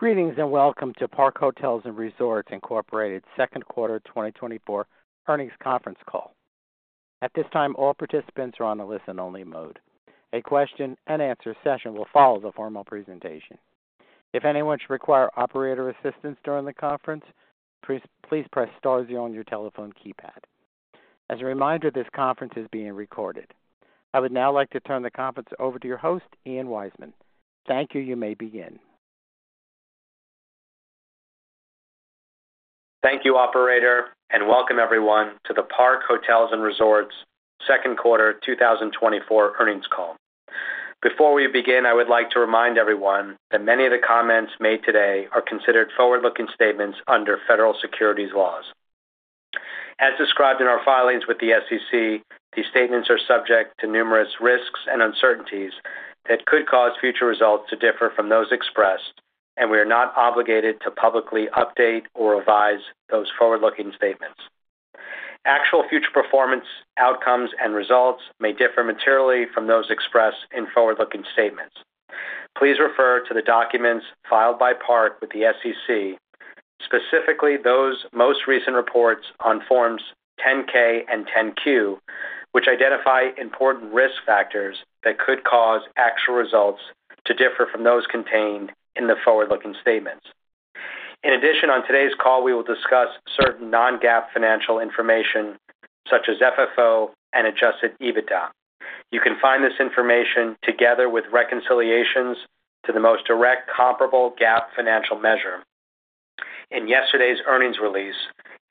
Greetings and welcome to Park Hotels & Resorts Incorporated's second quarter 2024 earnings conference call. At this time, all participants are on a listen-only mode. A question-and-answer session will follow the formal presentation. If anyone should require operator assistance during the conference, please press "star" on your telephone keypad. As a reminder, this conference is being recorded. I would now like to turn the conference over to your host, Ian Weissman. Thank you. You may begin. Thank you, Operator, and welcome everyone to the Park Hotels & Resorts second quarter 2024 earnings call. Before we begin, I would like to remind everyone that many of the comments made today are considered forward-looking statements under federal securities laws. As described in our filings with the SEC, these statements are subject to numerous risks and uncertainties that could cause future results to differ from those expressed, and we are not obligated to publicly update or revise those forward-looking statements. Actual future performance outcomes and results may differ materially from those expressed in forward-looking statements. Please refer to the documents filed by Park with the SEC, specifically those most recent reports on Forms 10-K and 10-Q, which identify important risk factors that could cause actual results to differ from those contained in the forward-looking statements. In addition, on today's call, we will discuss certain non-GAAP financial information such as FFO and adjusted EBITDA. You can find this information together with reconciliations to the most direct comparable GAAP financial measure in yesterday's earnings release,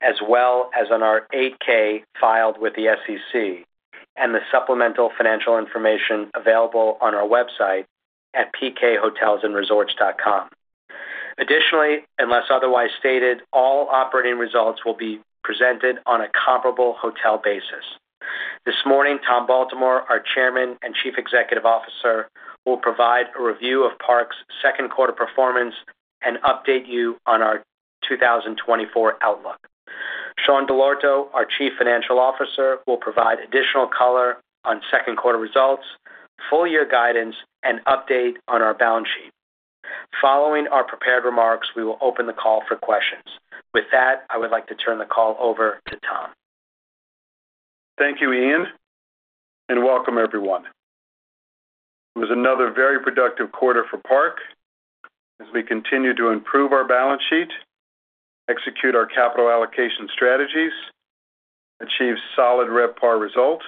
as well as on our 8-K filed with the SEC and the supplemental financial information available on our website at pkhotelsandresorts.com. Additionally, unless otherwise stated, all operating results will be presented on a comparable hotel basis. This morning, Tom Baltimore, our Chairman and Chief Executive Officer, will provide a review of Park's second quarter performance and update you on our 2024 outlook. Sean Dell'Orto, our Chief Financial Officer, will provide additional color on second quarter results, full-year guidance, and update on our balance sheet. Following our prepared remarks, we will open the call for questions. With that, I would like to turn the call over to Tom. Thank you, Ian, and welcome everyone. It was another very productive quarter for Park as we continue to improve our balance sheet, execute our capital allocation strategies, achieve solid RevPAR results,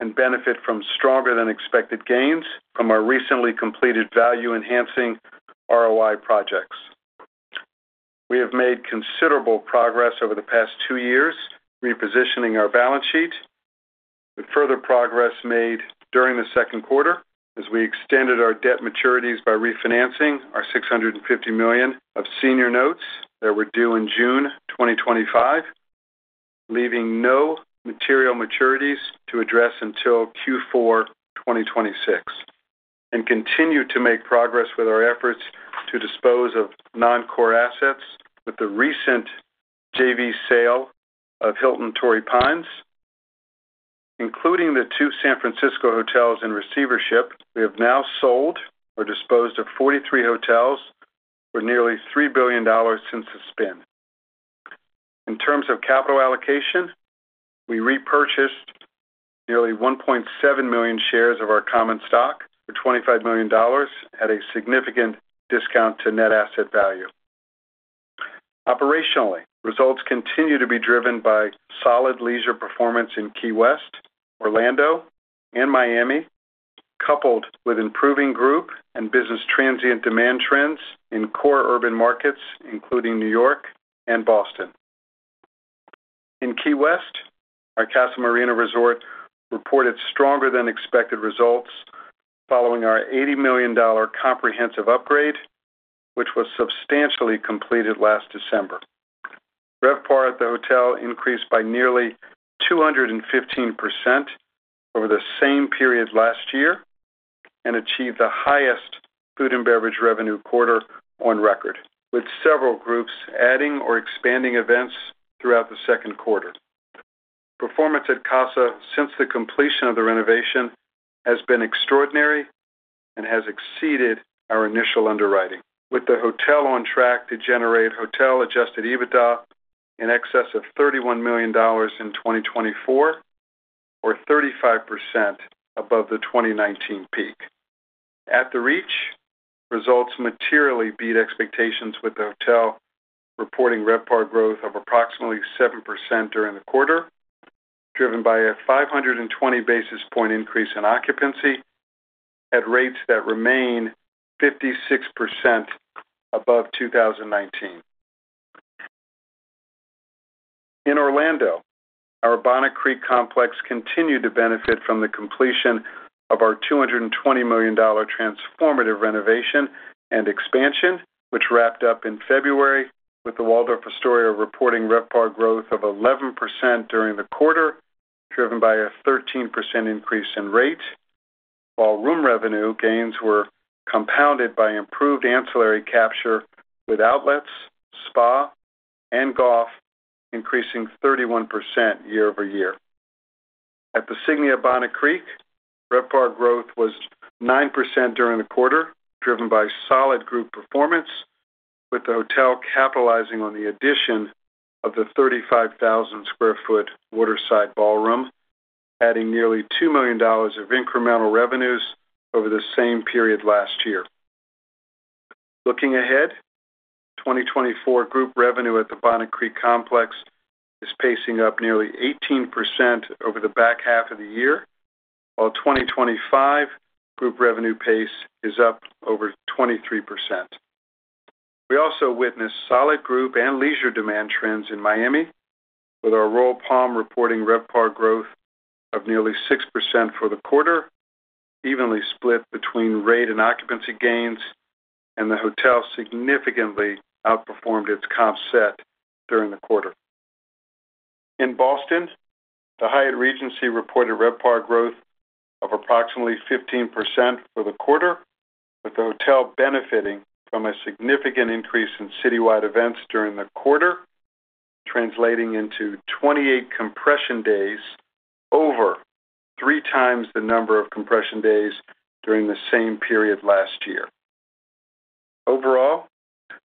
and benefit from stronger-than-expected gains from our recently completed value-enhancing ROI projects. We have made considerable progress over the past two years repositioning our balance sheet, with further progress made during the second quarter as we extended our debt maturities by refinancing our $650 million of senior notes that were due in June 2025, leaving no material maturities to address until Q4 2026, and continue to make progress with our efforts to dispose of non-core assets with the recent JV sale of Hilton Torrey Pines. Including the two San Francisco hotels in receivership, we have now sold or disposed of 43 hotels for nearly $3 billion since the spin. In terms of capital allocation, we repurchased nearly 1.7 million shares of our common stock for $25 million at a significant discount to net asset value. Operationally, results continue to be driven by solid leisure performance in Key West, Orlando, and Miami, coupled with improving group and business transient demand trends in core urban markets, including New York and Boston. In Key West, our Casa Marina Resort reported stronger-than-expected results following our $80 million comprehensive upgrade, which was substantially completed last December. RevPAR at the hotel increased by nearly 215% over the same period last year and achieved the highest food and beverage revenue quarter on record, with several groups adding or expanding events throughout the second quarter. Performance at Casa since the completion of the renovation has been extraordinary and has exceeded our initial underwriting, with the hotel on track to generate hotel-adjusted EBITDA in excess of $31 million in 2024, or 35% above the 2019 peak. At The Reach, results materially beat expectations, with the hotel reporting RevPAR growth of approximately 7% during the quarter, driven by a 520 basis point increase in occupancy at rates that remain 56% above 2019. In Orlando, our Bonnet Creek Complex continued to benefit from the completion of our $220 million transformative renovation and expansion, which wrapped up in February, with the Waldorf Astoria reporting RevPAR growth of 11% during the quarter, driven by a 13% increase in rate, while room revenue gains were compounded by improved ancillary capture with outlets, spa, and golf, increasing 31% year-over-year. At the Signia Bonnet Creek, RevPAR growth was 9% during the quarter, driven by solid group performance, with the hotel capitalizing on the addition of the 35,000-sq-ft waterside ballroom, adding nearly $2 million of incremental revenues over the same period last year. Looking ahead, 2024 group revenue at the Bonnet Creek Complex is pacing up nearly 18% over the back half of the year, while 2025 group revenue pace is up over 23%. We also witnessed solid group and leisure demand trends in Miami, with our Royal Palm reporting RevPAR growth of nearly 6% for the quarter, evenly split between rate and occupancy gains, and the hotel significantly outperformed its comp set during the quarter. In Boston, the Hyatt Regency reported RevPAR growth of approximately 15% for the quarter, with the hotel benefiting from a significant increase in citywide events during the quarter, translating into 28 compression days, over three times the number of compression days during the same period last year. Overall,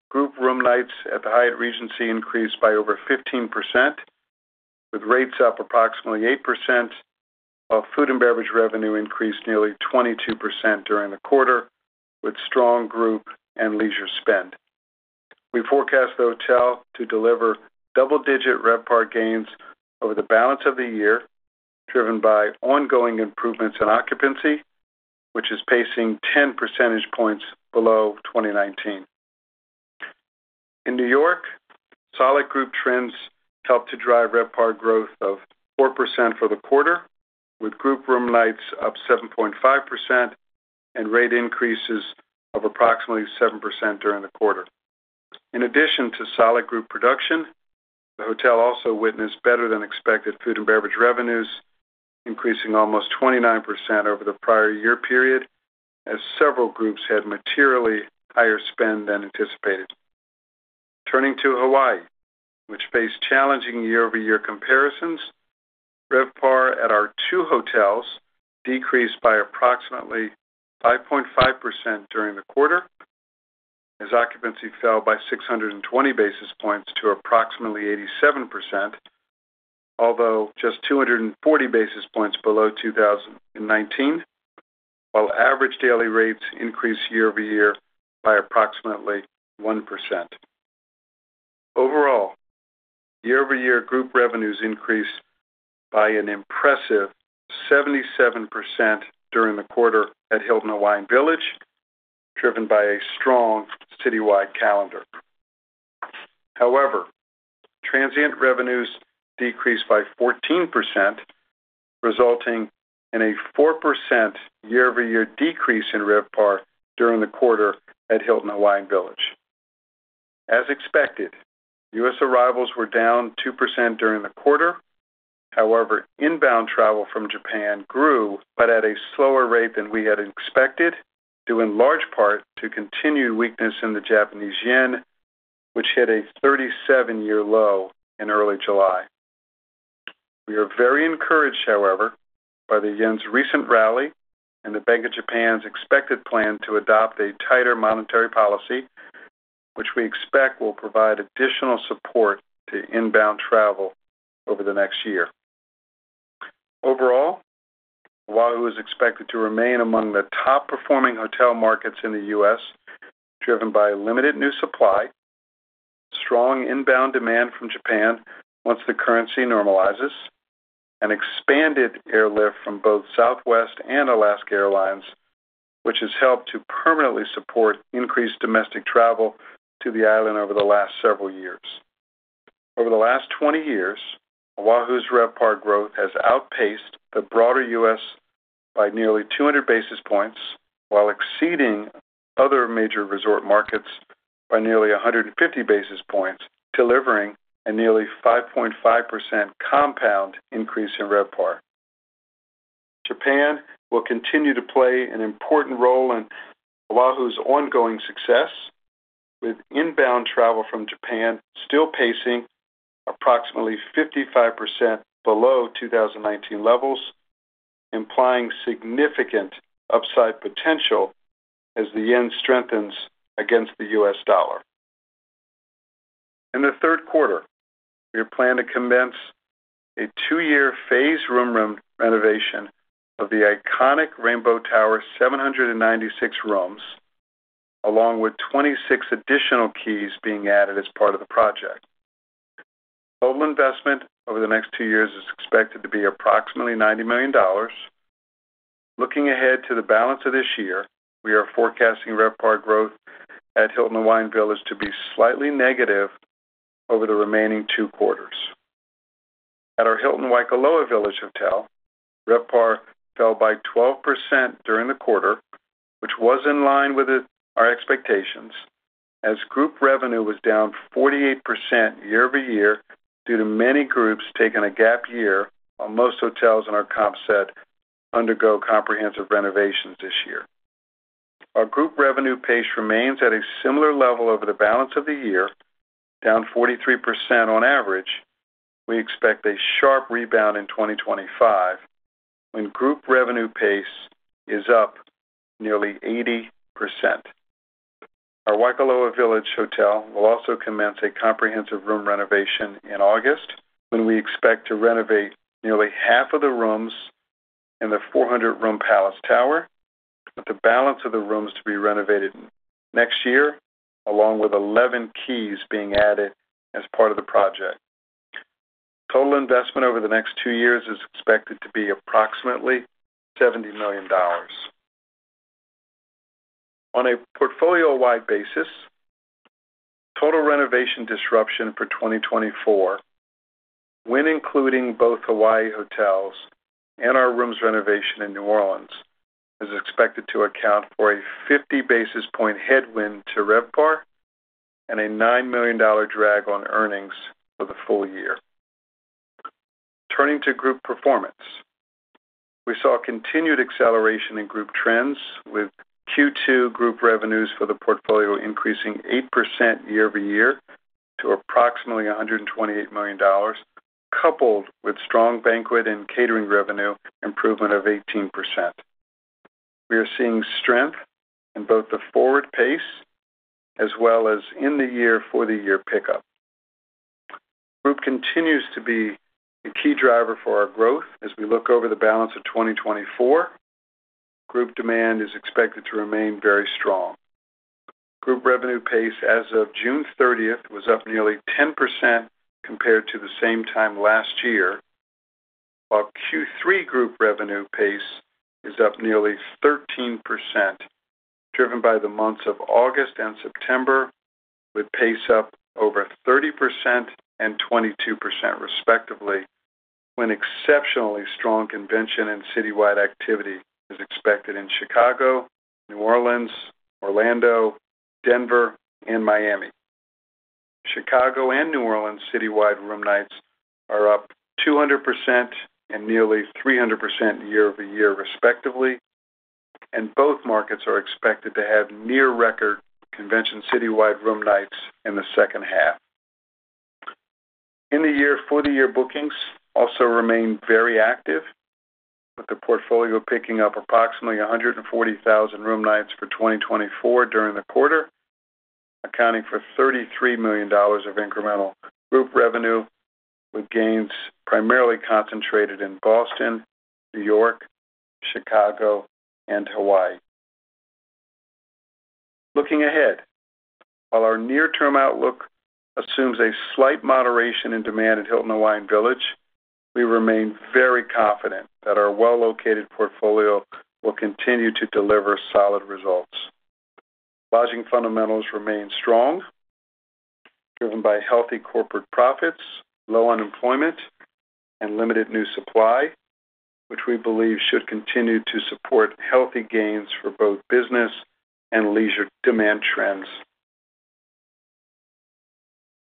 group room nights at the Hyatt Regency increased by over 15%, with rates up approximately 8%, while food and beverage revenue increased nearly 22% during the quarter, with strong group and leisure spend. We forecast the hotel to deliver double-digit RevPAR gains over the balance of the year, driven by ongoing improvements in occupancy, which is pacing 10 percentage points below 2019. In New York, solid group trends helped to drive RevPAR growth of 4% for the quarter, with group room nights up 7.5% and rate increases of approximately 7% during the quarter. In addition to solid group production, the hotel also witnessed better-than-expected food and beverage revenues, increasing almost 29% over the prior year period, as several groups had materially higher spend than anticipated. Turning to Hawaii, which faced challenging year-over-year comparisons, RevPAR at our two hotels decreased by approximately 5.5% during the quarter, as occupancy fell by 620 basis points to approximately 87%, although just 240 basis points below 2019, while average daily rates increased year-over-year by approximately 1%. Overall, year-over-year group revenues increased by an impressive 77% during the quarter at Hilton Hawaiian Village, driven by a strong citywide calendar. However, transient revenues decreased by 14%, resulting in a 4% year-over-year decrease in RevPAR during the quarter at Hilton Hawaiian Village. As expected, U.S. arrivals were down 2% during the quarter; however, inbound travel from Japan grew but at a slower rate than we had expected, due in large part to continued weakness in the Japanese yen, which hit a 37-year low in early July. We are very encouraged, however, by the yen's recent rally and the Bank of Japan's expected plan to adopt a tighter monetary policy, which we expect will provide additional support to inbound travel over the next year. Overall, Oahu is expected to remain among the top-performing hotel markets in the U.S., driven by limited new supply, strong inbound demand from Japan once the currency normalizes, and expanded airlift from both Southwest and Alaska Airlines, which has helped to permanently support increased domestic travel to the island over the last several years. Over the last 20 years, Oahu's RevPAR growth has outpaced the broader U.S. by nearly 200 basis points, while exceeding other major resort markets by nearly 150 basis points, delivering a nearly 5.5% compound increase in RevPAR. Japan will continue to play an important role in Oahu's ongoing success, with inbound travel from Japan still pacing approximately 55% below 2019 levels, implying significant upside potential as the yen strengthens against the U.S. dollar. In the third quarter, we have planned to commence a 2-year phased room renovation of the iconic Rainbow Tower's 796 rooms, along with 26 additional keys being added as part of the project. Total investment over the next 2 years is expected to be approximately $90 million. Looking ahead to the balance of this year, we are forecasting RevPAR growth at Hilton Hawaiian Village to be slightly negative over the remaining two quarters. At our Hilton Waikoloa Village Hotel, RevPAR fell by 12% during the quarter, which was in line with our expectations, as group revenue was down 48% year-over-year due to many groups taking a gap year while most hotels in our comp set undergo comprehensive renovations this year. While group revenue pace remains at a similar level over the balance of the year, down 43% on average, we expect a sharp rebound in 2025 when group revenue pace is up nearly 80%. Our Waikoloa Village Hotel will also commence a comprehensive room renovation in August, when we expect to renovate nearly half of the rooms in the 400-room Palace Tower, with the balance of the rooms to be renovated next year, along with 11 keys being added as part of the project. Total investment over the next two years is expected to be approximately $70 million. On a portfolio-wide basis, total renovation disruption for 2024, when including both Hawaii Hotels and our rooms renovation in New Orleans, is expected to account for a 50 basis point headwind to RevPAR and a $9 million drag on earnings for the full year. Turning to group performance, we saw continued acceleration in group trends, with Q2 group revenues for the portfolio increasing 8% year-over-year to approximately $128 million, coupled with strong banquet and catering revenue improvement of 18%. We are seeing strength in both the forward pace as well as in-the-year, for-the-year pickup. Group continues to be a key driver for our growth as we look over the balance of 2024. Group demand is expected to remain very strong. Group revenue pace as of June 30 was up nearly 10% compared to the same time last year, while Q3 group revenue pace is up nearly 13%, driven by the months of August and September, with pace up over 30% and 22% respectively, when exceptionally strong convention and citywide activity is expected in Chicago, New Orleans, Orlando, Denver, and Miami. Chicago and New Orleans citywide room nights are up 200% and nearly 300% year-over-year respectively, and both markets are expected to have near-record convention citywide room nights in the second half. In the year, for-the-year bookings also remain very active, with the portfolio picking up approximately 140,000 room nights for 2024 during the quarter, accounting for $33 million of incremental group revenue, with gains primarily concentrated in Boston, New York, Chicago, and Hawaii. Looking ahead, while our near-term outlook assumes a slight moderation in demand at Hilton Hawaiian Village, we remain very confident that our well-located portfolio will continue to deliver solid results. Lodging fundamentals remain strong, driven by healthy corporate profits, low unemployment, and limited new supply, which we believe should continue to support healthy gains for both business and leisure demand trends.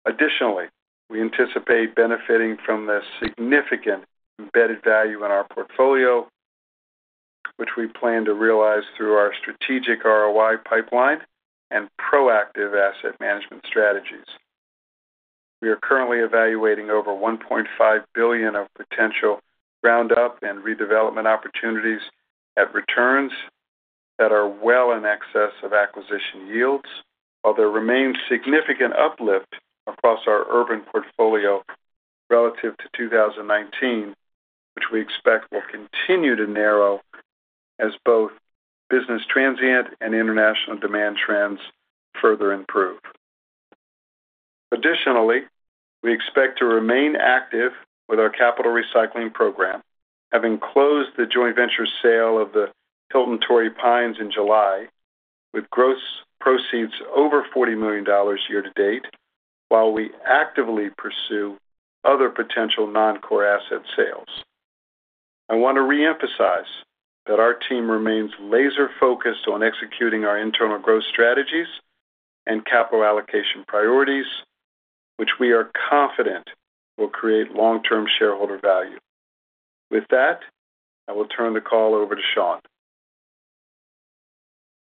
Additionally, we anticipate benefiting from the significant embedded value in our portfolio, which we plan to realize through our strategic ROI pipeline and proactive asset management strategies. We are currently evaluating over $1.5 billion of potential ground-up and redevelopment opportunities at returns that are well in excess of acquisition yields, while there remains significant uplift across our urban portfolio relative to 2019, which we expect will continue to narrow as both business transient and international demand trends further improve. Additionally, we expect to remain active with our capital recycling program, having closed the joint venture sale of the Hilton Torrey Pines in July, with gross proceeds over $40 million year-to-date, while we actively pursue other potential non-core asset sales. I want to reemphasize that our team remains laser-focused on executing our internal growth strategies and capital allocation priorities, which we are confident will create long-term shareholder value. With that, I will turn the call over to Sean.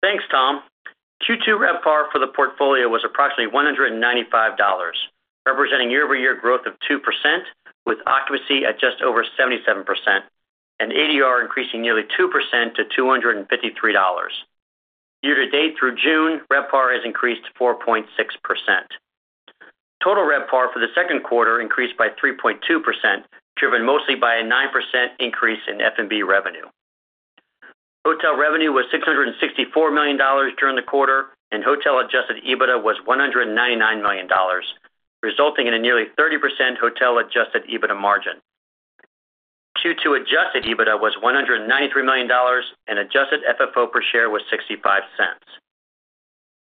Thanks, Tom. Q2 RevPAR for the portfolio was approximately $195, representing year-over-year growth of 2%, with occupancy at just over 77%, and ADR increasing nearly 2% to $253. Year-to-date through June, RevPAR has increased 4.6%. Total RevPAR for the second quarter increased by 3.2%, driven mostly by a 9% increase in F&B revenue. Hotel revenue was $664 million during the quarter, and hotel-adjusted EBITDA was $199 million, resulting in a nearly 30% hotel-adjusted EBITDA margin. Q2 adjusted EBITDA was $193 million, and adjusted FFO per share was $0.65.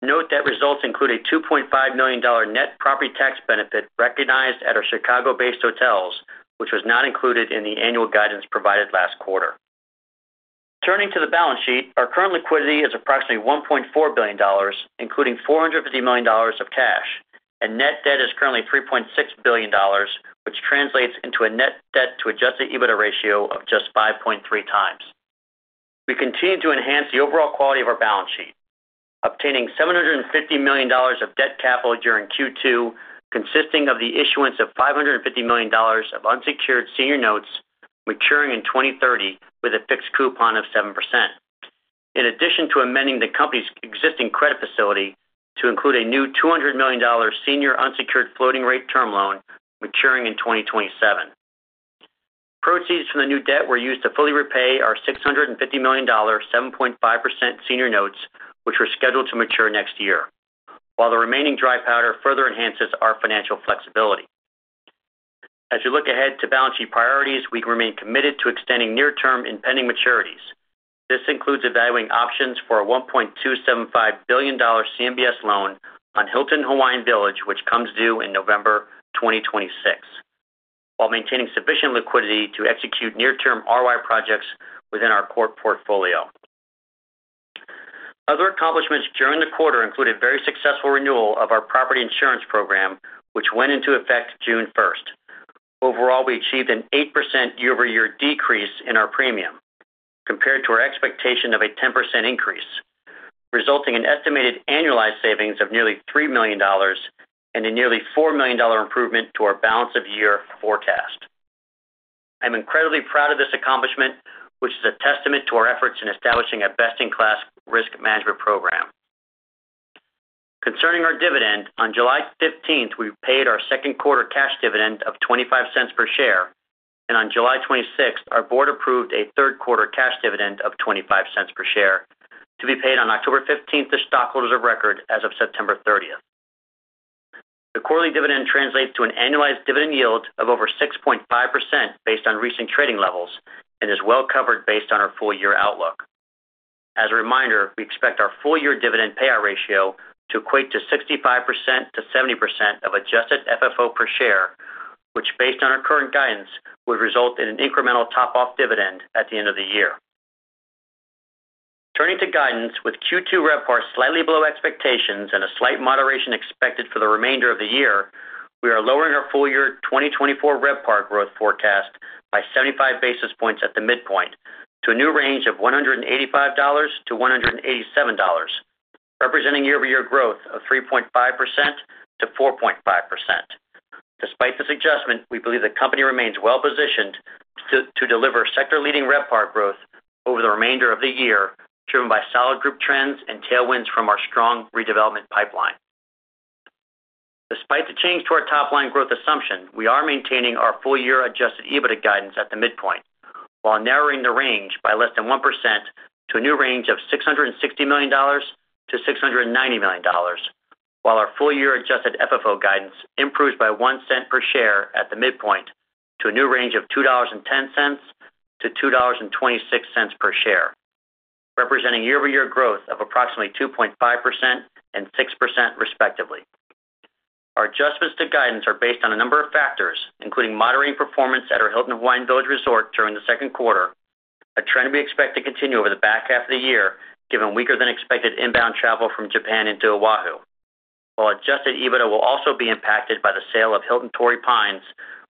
Note that results include a $2.5 million net property tax benefit recognized at our Chicago-based hotels, which was not included in the annual guidance provided last quarter. Turning to the balance sheet, our current liquidity is approximately $1.4 billion, including $450 million of cash, and net debt is currently $3.6 billion, which translates into a net debt-to-adjusted EBITDA ratio of just 5.3x. We continue to enhance the overall quality of our balance sheet, obtaining $750 million of debt capital during Q2, consisting of the issuance of $550 million of unsecured senior notes maturing in 2030 with a fixed coupon of 7%, in addition to amending the company's existing credit facility to include a new $200 million senior unsecured floating-rate term loan maturing in 2027. Proceeds from the new debt were used to fully repay our $650 million, 7.5% senior notes, which were scheduled to mature next year, while the remaining dry powder further enhances our financial flexibility. As we look ahead to balance sheet priorities, we remain committed to extending near-term impending maturities. This includes evaluating options for a $1.275 billion CMBS loan on Hilton Hawaiian Village, which comes due in November 2026, while maintaining sufficient liquidity to execute near-term ROI projects within our core portfolio. Other accomplishments during the quarter included very successful renewal of our property insurance program, which went into effect June 1. Overall, we achieved an 8% year-over-year decrease in our premium compared to our expectation of a 10% increase, resulting in estimated annualized savings of nearly $3 million and a nearly $4 million improvement to our balance of year forecast. I'm incredibly proud of this accomplishment, which is a testament to our efforts in establishing a best-in-class risk management program. Concerning our dividend, on July 15, we paid our second quarter cash dividend of $0.25 per share, and on July 26, our board approved a third quarter cash dividend of $0.25 per share to be paid on October 15 to stockholders of record as of September 30. The quarterly dividend translates to an annualized dividend yield of over 6.5% based on recent trading levels and is well covered based on our full-year outlook. As a reminder, we expect our full-year dividend payout ratio to equate to 65%-70% of adjusted FFO per share, which, based on our current guidance, would result in an incremental top-off dividend at the end of the year. Turning to guidance, with Q2 RevPAR slightly below expectations and a slight moderation expected for the remainder of the year, we are lowering our full-year 2024 RevPAR growth forecast by 75 basis points at the midpoint to a new range of $185-$187, representing year-over-year growth of 3.5%-4.5%. Despite this adjustment, we believe the company remains well positioned to deliver sector-leading RevPAR growth over the remainder of the year, driven by solid group trends and tailwinds from our strong redevelopment pipeline. Despite the change to our top-line growth assumption, we are maintaining our full-year Adjusted EBITDA guidance at the midpoint, while narrowing the range by less than 1% to a new range of $660 million-$690 million, while our full-year Adjusted FFO guidance improves by $0.01 per share at the midpoint to a new range of $2.10-$2.26 per share, representing year-over-year growth of approximately 2.5% and 6% respectively. Our adjustments to guidance are based on a number of factors, including moderating performance at our Hilton Hawaiian Village Resort during the second quarter, a trend we expect to continue over the back half of the year given weaker-than-expected inbound travel from Japan into Oahu, while Adjusted EBITDA will also be impacted by the sale of Hilton Torrey Pines,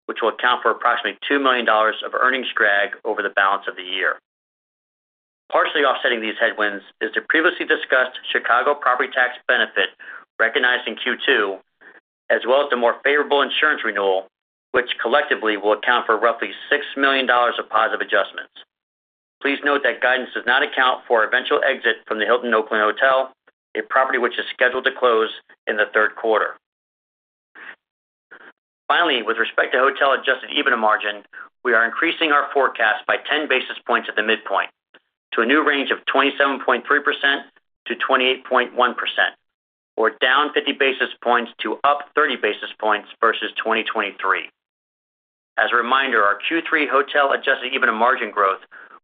which will account for approximately $2 million of earnings drag over the balance of the year. Partially offsetting these headwinds is the previously discussed Chicago property tax benefit recognized in Q2, as well as the more favorable insurance renewal, which collectively will account for roughly $6 million of positive adjustments. Please note that guidance does not account for eventual exit from the Hilton Oakland Airport, a property which is scheduled to close in the third quarter. Finally, with respect to hotel adjusted EBITDA margin, we are increasing our forecast by 10 basis points at the midpoint to a new range of 27.3%-28.1%, or down 50 basis points to up 30 basis points versus 2023. As a reminder, our Q3 hotel adjusted EBITDA margin growth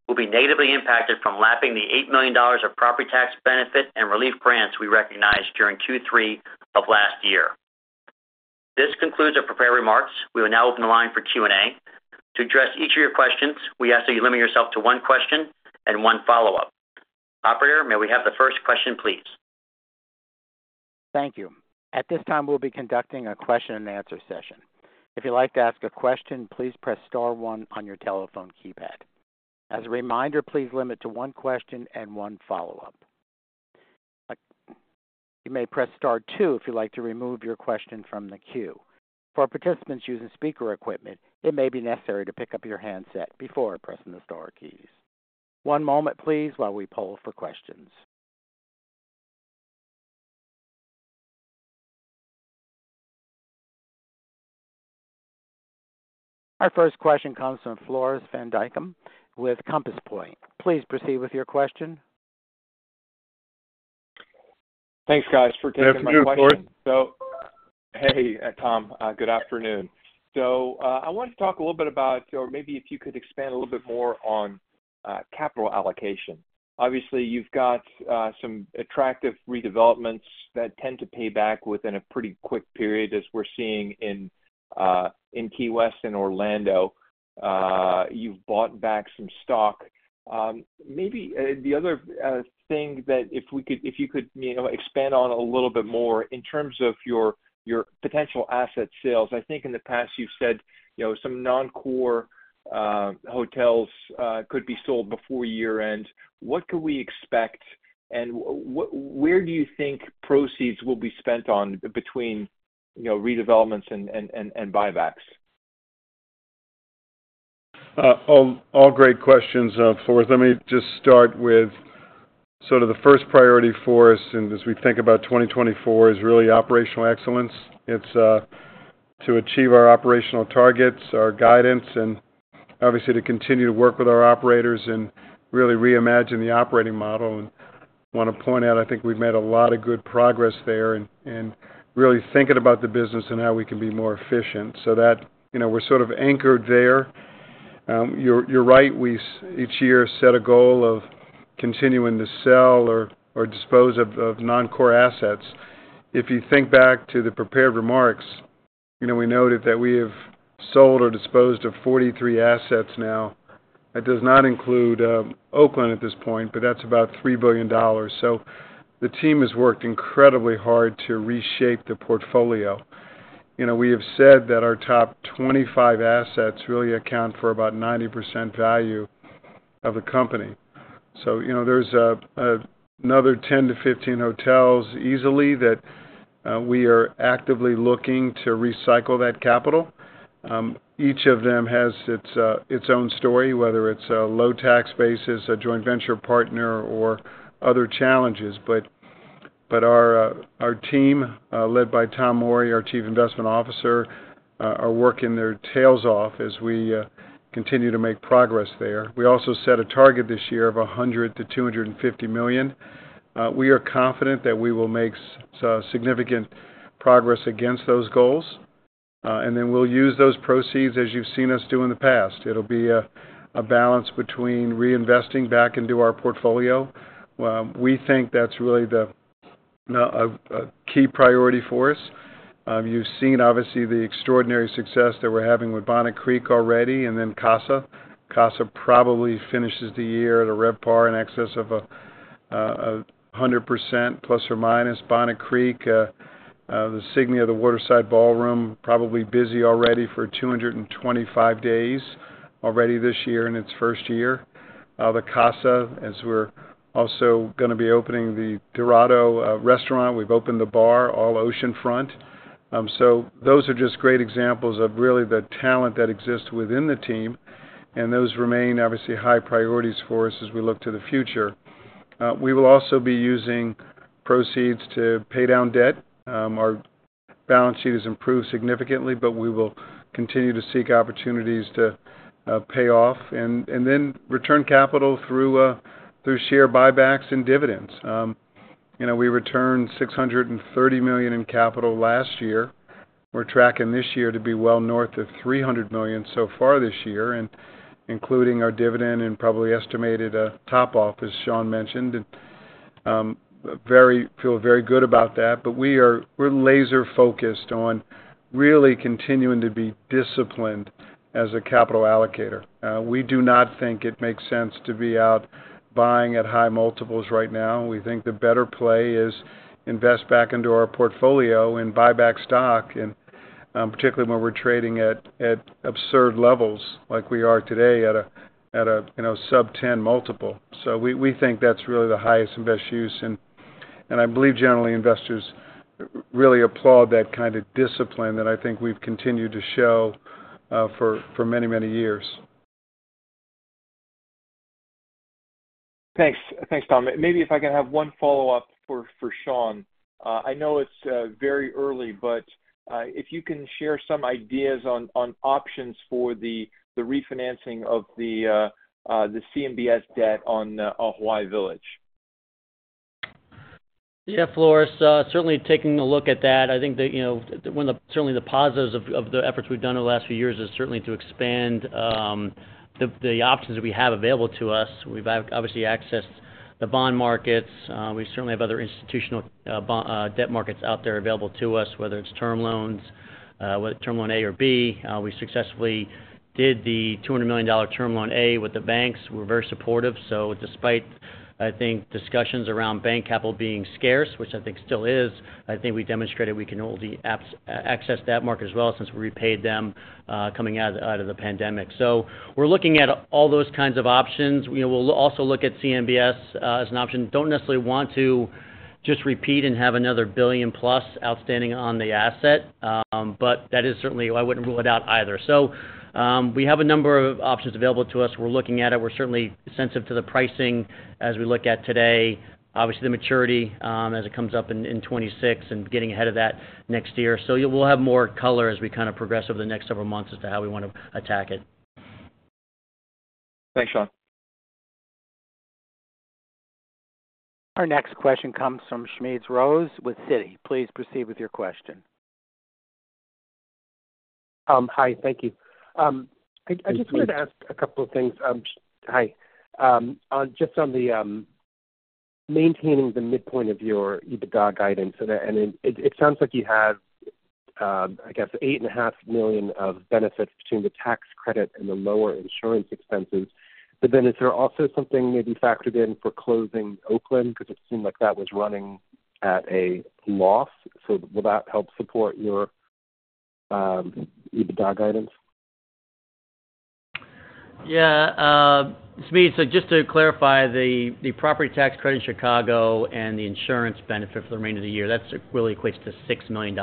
will be negatively impacted from lapping the $8 million of property tax benefit and relief grants we recognized during Q3 of last year. This concludes our prepared remarks. We will now open the line for Q&A. To address each of your questions, we ask that you limit yourself to one question and one follow-up. Operator, may we have the first question, please? Thank you. At this time, we'll be conducting a question-and-answer session. If you'd like to ask a question, please press Star 1 on your telephone keypad. As a reminder, please limit to one question and one follow-up. You may press Star 2 if you'd like to remove your question from the queue. For participants using speaker equipment, it may be necessary to pick up your handset before pressing the Star keys. One moment, please, while we poll for questions. Our first question comes from Floris van Dijkum with Compass Point. Please proceed with your question. Thanks, guys, for taking my question. So, hey, Tom. Good afternoon. So, I wanted to talk a little bit about, or maybe if you could expand a little bit more on capital allocation. Obviously, you've got some attractive redevelopments that tend to pay back within a pretty quick period, as we're seeing in Key West and Orlando. You've bought back some stock. Maybe the other thing that if you could expand on a little bit more in terms of your potential asset sales, I think in the past you've said some non-core hotels could be sold before year-end. What can we expect, and where do you think proceeds will be spent on between redevelopments and buybacks? All great questions, Floris. Let me just start with sort of the first priority for us as we think about 2024 is really operational excellence. It's to achieve our operational targets, our guidance, and obviously to continue to work with our operators and really reimagine the operating model. I want to point out, I think we've made a lot of good progress there in really thinking about the business and how we can be more efficient. That we're sort of anchored there. You're right. We each year set a goal of continuing to sell or dispose of non-core assets. If you think back to the prepared remarks, we noted that we have sold or disposed of 43 assets now. That does not include Oakland at this point, but that's about $3 billion. The team has worked incredibly hard to reshape the portfolio. We have said that our top 25 assets really account for about 90% value of the company. So there's another 10 to 15 hotels easily that we are actively looking to recycle that capital. Each of them has its own story, whether it's a low-tax basis, a joint venture partner, or other challenges. But our team, led by Tom Morey, our Chief Investment Officer, are working their tails off as we continue to make progress there. We also set a target this year of $100 million-$250 million. We are confident that we will make significant progress against those goals, and then we'll use those proceeds as you've seen us do in the past. It'll be a balance between reinvesting back into our portfolio. We think that's really the key priority for us. You've seen, obviously, the extraordinary success that we're having with Bonnet Creek already, and then Casa. Casa probably finishes the year at a RevPAR in excess of 100%, plus or minus. Bonnet Creek, the Signia of the Waterside Ballroom, probably busy already for 225 days already this year in its first year. The Casa, as we're also going to be opening the Dorado restaurant. We've opened the bar, all oceanfront. So those are just great examples of really the talent that exists within the team, and those remain, obviously, high priorities for us as we look to the future. We will also be using proceeds to pay down debt. Our balance sheet has improved significantly, but we will continue to seek opportunities to pay off and then return capital through share buybacks and dividends. We returned $630 million in capital last year. We're tracking this year to be well north of $300 million so far this year, including our dividend and probably estimated top-off, as Sean mentioned. And I feel very good about that. But we're laser-focused on really continuing to be disciplined as a capital allocator. We do not think it makes sense to be out buying at high multiples right now. We think the better play is to invest back into our portfolio and buy back stock, particularly when we're trading at absurd levels like we are today at a sub-10 multiple. So we think that's really the highest and best use. And I believe generally investors really applaud that kind of discipline that I think we've continued to show for many, many years. Thanks, Tom. Maybe if I can have one follow-up for Sean. I know it's very early, but if you can share some ideas on options for the refinancing of the CMBS debt on Hawaii Village. Yeah, Floris, certainly taking a look at that. I think that certainly the positives of the efforts we've done over the last few years is certainly to expand the options that we have available to us. We've obviously accessed the bond markets. We certainly have other institutional debt markets out there available to us, whether it's term loans, whether it's term loan A or B. We successfully did the $200 million term loan A with the banks. We're very supportive. So despite, I think, discussions around bank capital being scarce, which I think still is, I think we demonstrated we can already access that market as well since we repaid them coming out of the pandemic. So we're looking at all those kinds of options. We'll also look at CMBS as an option. Don't necessarily want to just repeat and have another $1 billion-plus outstanding on the asset, but that is certainly why I wouldn't rule it out either. So we have a number of options available to us. We're looking at it. We're certainly sensitive to the pricing as we look at today, obviously the maturity as it comes up in 2026 and getting ahead of that next year. So we'll have more color as we kind of progress over the next several months as to how we want to attack it. Thanks, Sean. Our next question comes from Smedes Rose with Citi. Please proceed with your question. Hi, thank you. I just wanted to ask a couple of things. Hi. Just on maintaining the midpoint of your EBITDA guidance, and it sounds like you have, I guess, $8.5 million of benefits between the tax credit and the lower insurance expenses. But then is there also something maybe factored in for closing Oakland because it seemed like that was running at a loss? So will that help support your EBITDA guidance? Yeah. So just to clarify, the property tax credit in Chicago and the insurance benefit for the remainder of the year, that really equates to $6 million.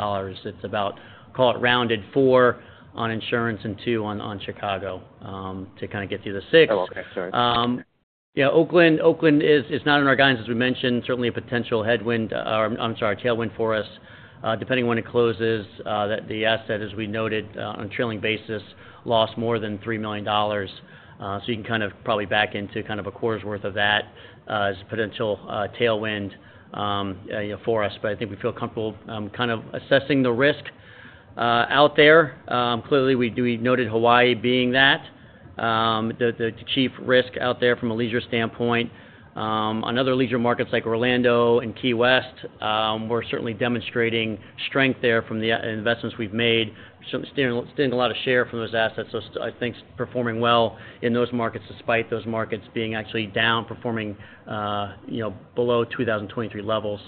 It's about, call it rounded, $4 million on insurance and $2 million on Chicago to kind of get through the 6. Oh, okay. Sorry. Yeah, Oakland is not in our guidance, as we mentioned. Certainly a potential headwind or, I'm sorry, tailwind for us, depending on when it closes, that the asset, as we noted, on a trailing basis, lost more than $3 million. So you can kind of probably back into kind of a quarter's worth of that as a potential tailwind for us. But I think we feel comfortable kind of assessing the risk out there. Clearly, we noted Hawaii being that, the chief risk out there from a leisure standpoint. On other leisure markets like Orlando and Key West, we're certainly demonstrating strength there from the investments we've made, certainly stealing a lot of share from those assets. So I think performing well in those markets despite those markets being actually down, performing below 2023 levels.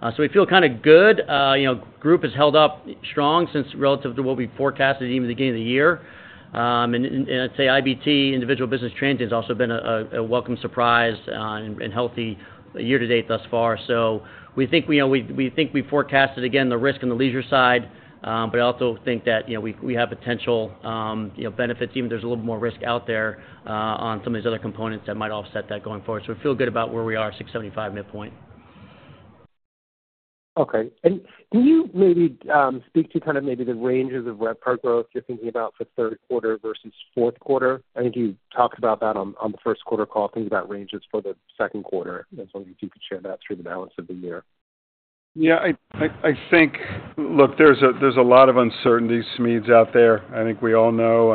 So we feel kind of good. The group has held up strong relative to what we forecasted even at the beginning of the year. I'd say IBT, Individual Business Transient, has also been a welcome surprise and healthy year-to-date thus far. So we think we forecasted, again, the risk on the leisure side, but I also think that we have potential benefits even if there's a little more risk out there on some of these other components that might offset that going forward. So we feel good about where we are, $675 midpoint. Okay. And can you maybe speak to kind of maybe the ranges of RevPAR growth you're thinking about for third quarter versus fourth quarter? I think you talked about that on the first quarter call, thinking about ranges for the second quarter. I just want to see if you could share that through the balance of the year. Yeah. I think, look, there's a lot of uncertainties, Smedes, out there. I think we all know.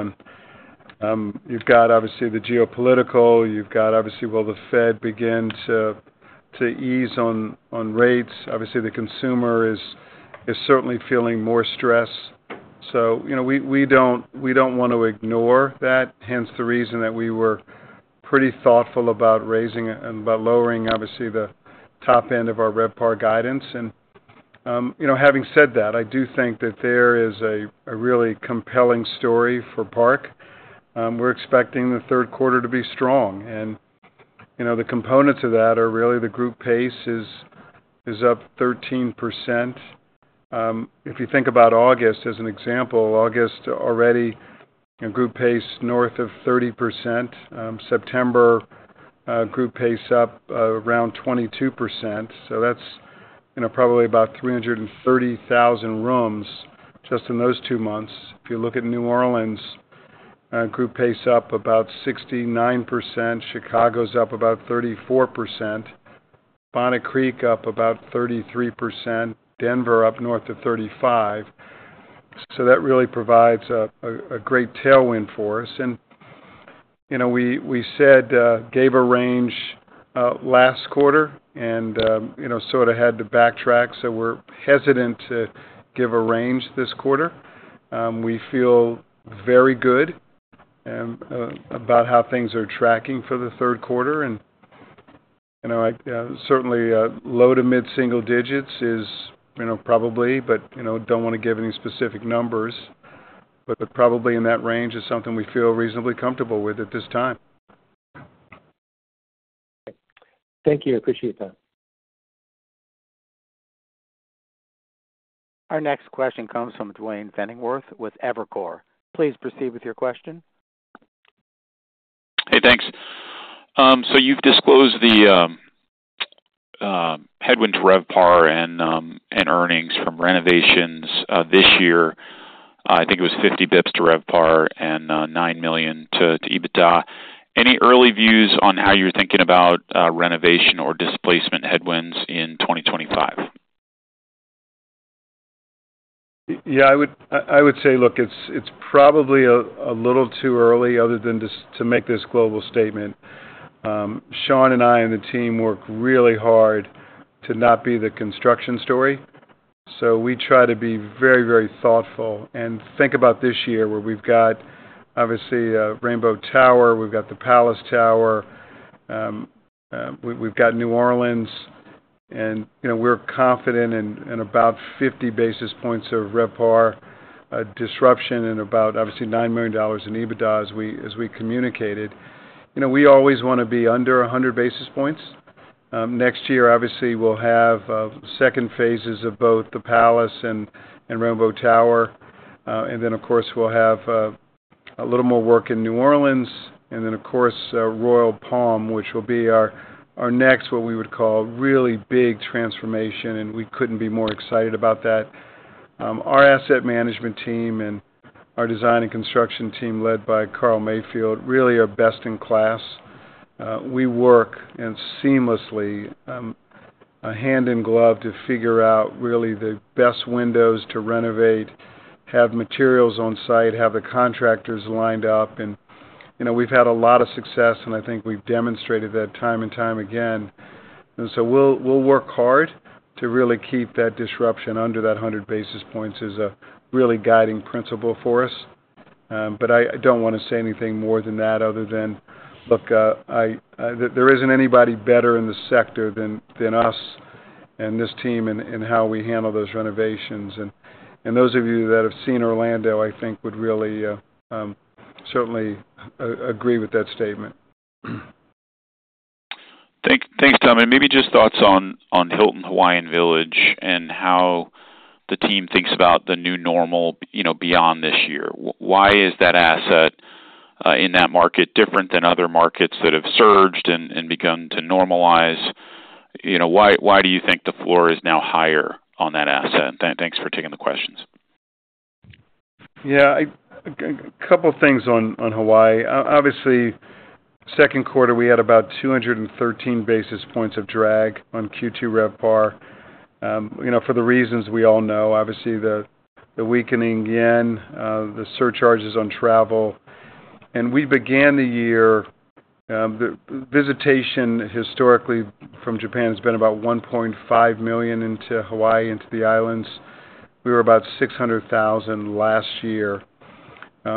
And you've got, obviously, the geopolitical. You've got, obviously, will the Fed begin to ease on rates? Obviously, the consumer is certainly feeling more stress. So we don't want to ignore that. Hence the reason that we were pretty thoughtful about raising and about lowering, obviously, the top end of our RevPAR guidance. And having said that, I do think that there is a really compelling story for Park. We're expecting the third quarter to be strong. And the components of that are really the group pace is up 13%. If you think about August, as an example, August already group pace north of 30%. September group pace up around 22%. So that's probably about 330,000 rooms just in those two months. If you look at New Orleans, group pace up about 69%. Chicago's up about 34%. Bonnet Creek up about 33%. Denver up north of 35%. So that really provides a great tailwind for us. We said gave a range last quarter and sort of had to backtrack. So we're hesitant to give a range this quarter. We feel very good about how things are tracking for the third quarter. And certainly low to mid-single digits is probably, but don't want to give any specific numbers. But probably in that range is something we feel reasonably comfortable with at this time. Thank you. I appreciate that. Our next question comes from Duane Pfennigwerth with Evercore. Please proceed with your question. Hey, thanks. So you've disclosed the headwind to RevPAR and earnings from renovations this year. I think it was 50 bips to RevPAR and $9 million to EBITDA. Any early views on how you're thinking about renovation or displacement headwinds in 2025? Yeah, I would say, look, it's probably a little too early other than just to make this global statement. Sean and I and the team work really hard to not be the construction story. So we try to be very, very thoughtful and think about this year where we've got, obviously, Rainbow Tower. We've got the Palace Tower. We've got New Orleans. And we're confident in about 50 basis points of RevPAR disruption and about, obviously, $9 million in EBITDA as we communicated. We always want to be under 100 basis points. Next year, obviously, we'll have second phases of both the Palace and Rainbow Tower. And then, of course, we'll have a little more work in New Orleans. And then, of course, Royal Palm, which will be our next, what we would call, really big transformation. And we couldn't be more excited about that. Our asset management team and our design and construction team led by Carl Mayfield really are best in class. We work and seamlessly hand in glove to figure out really the best windows to renovate, have materials on site, have the contractors lined up. And we've had a lot of success, and I think we've demonstrated that time and time again. And so we'll work hard to really keep that disruption under that 100 basis points as a really guiding principle for us. But I don't want to say anything more than that other than, look, there isn't anybody better in the sector than us and this team and how we handle those renovations. And those of you that have seen Orlando, I think, would really certainly agree with that statement. Thanks, Tom. And maybe just thoughts on Hilton Hawaiian Village and how the team thinks about the new normal beyond this year. Why is that asset in that market different than other markets that have surged and begun to normalize? Why do you think the floor is now higher on that asset? And thanks for taking the questions. Yeah, a couple of things on Hawaii. Obviously, second quarter, we had about 213 basis points of drag on Q2 RevPAR for the reasons we all know. Obviously, the weakening yen, the surcharges on travel. And we began the year visitation historically from Japan has been about 1.5 million into Hawaii, into the islands. We were about 600,000 last year.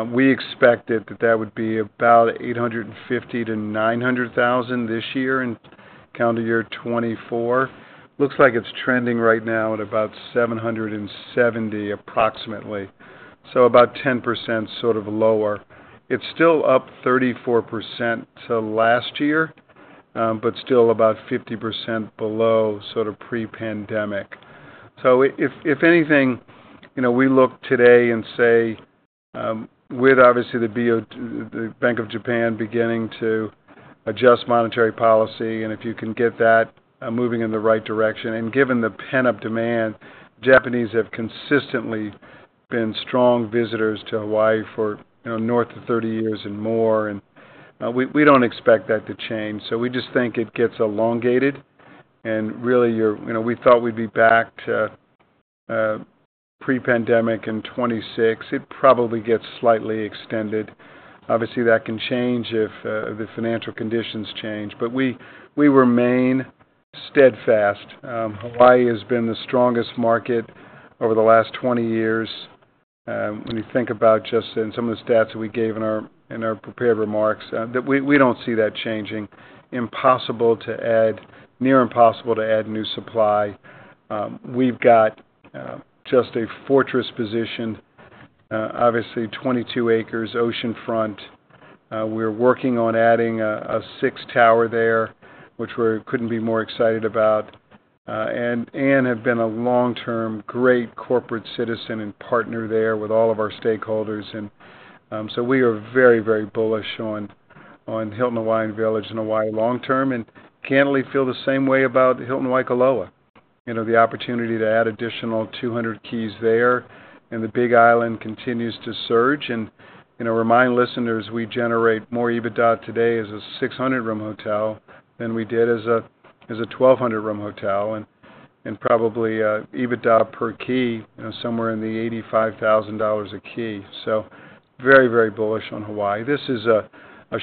We expected that that would be about 850,000-900,000 this year and count to year 2024. Looks like it's trending right now at about 770,000 approximately. So about 10% sort of lower. It's still up 34% to last year, but still about 50% below sort of pre-pandemic. So if anything, we look today and say, with obviously the Bank of Japan beginning to adjust monetary policy, and if you can get that moving in the right direction. And given the pent-up demand, Japanese have consistently been strong visitors to Hawaii for north of 30 years and more. And we don't expect that to change. So we just think it gets elongated. And really, we thought we'd be back to pre-pandemic in 2026. It probably gets slightly extended. Obviously, that can change if the financial conditions change. But we remain steadfast. Hawaii has been the strongest market over the last 20 years. When you think about just some of the stats that we gave in our prepared remarks, we don't see that changing. Impossible to add, near impossible to add new supply. We've got just a fortress position, obviously, 22 acres, oceanfront. We're working on adding a sixth tower there, which we couldn't be more excited about. And Anne has been a long-term great corporate citizen and partner there with all of our stakeholders. And so we are very, very bullish on Hilton Hawaiian Village and Hawaii long-term. And candidly, feel the same way about Hilton Waikoloa, the opportunity to add additional 200 keys there. And the big island continues to surge. And remind listeners, we generate more EBITDA today as a 600-room hotel than we did as a 1,200-room hotel. And probably EBITDA per key somewhere in the $85,000 a key. So very, very bullish on Hawaii. This is a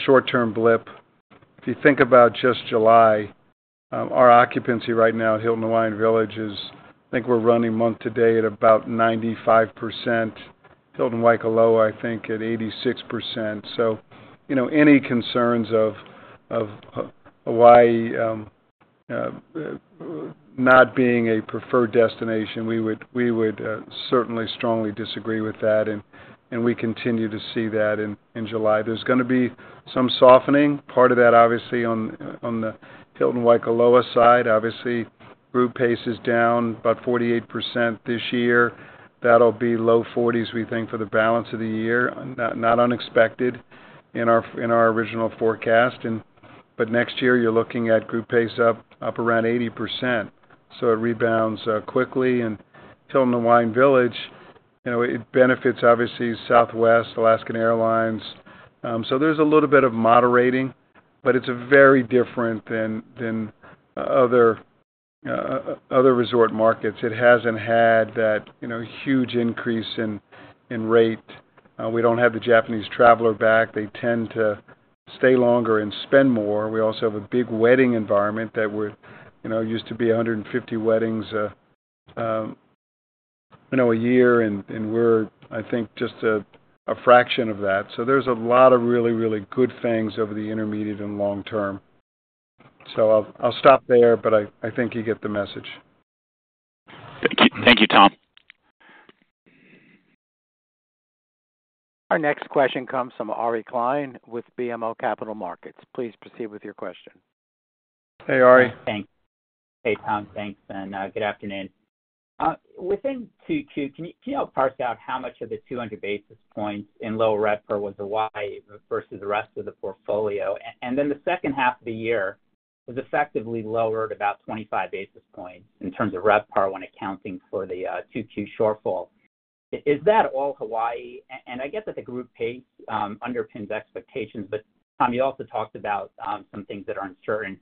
short-term blip. If you think about just July, our occupancy right now at Hilton Hawaiian Village is, I think we're running month to day at about 95%. Hilton Waikoloa, I think, at 86%. So any concerns of Hawaii not being a preferred destination, we would certainly strongly disagree with that. We continue to see that in July. There's going to be some softening. Part of that, obviously, on the Hilton Waikoloa side. Obviously, group pace is down about 48% this year. That'll be low 40s, we think, for the balance of the year. Not unexpected in our original forecast. But next year, you're looking at group pace up around 80%. So it rebounds quickly. And Hilton Hawaiian Village, it benefits, obviously, Southwest, Alaska Airlines. So there's a little bit of moderating, but it's very different than other resort markets. It hasn't had that huge increase in rate. We don't have the Japanese traveler back. They tend to stay longer and spend more. We also have a big wedding environment that used to be 150 weddings a year. And we're, I think, just a fraction of that. So there's a lot of really, really good things over the intermediate and long term. So I'll stop there, but I think you get the message. Thank you. Thank you, Tom. Our next question comes from Ari Klein with BMO Capital Markets. Please proceed with your question. Hey, Ari. Hey, Tom. Thanks. And good afternoon. Within Q2, can you help parse out how much of the 200 basis points in low RevPAR was Hawaii versus the rest of the portfolio? And then the second half of the year was effectively lowered about 25 basis points in terms of RevPAR when accounting for the Q2 shortfall. Is that all Hawaii? And I get that the group pace underpins expectations, but Tom, you also talked about some things that are uncertain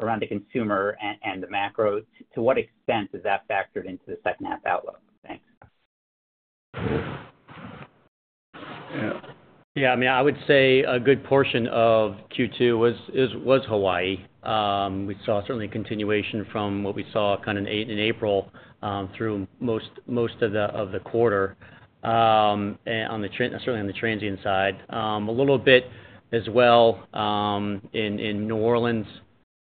around the consumer and the macro. To what extent is that factored into the second-half outlook? Thanks. Yeah. I mean, I would say a good portion of Q2 was Hawaii. We saw certainly a continuation from what we saw kind of in April through most of the quarter, certainly on the transient side. A little bit as well in New Orleans.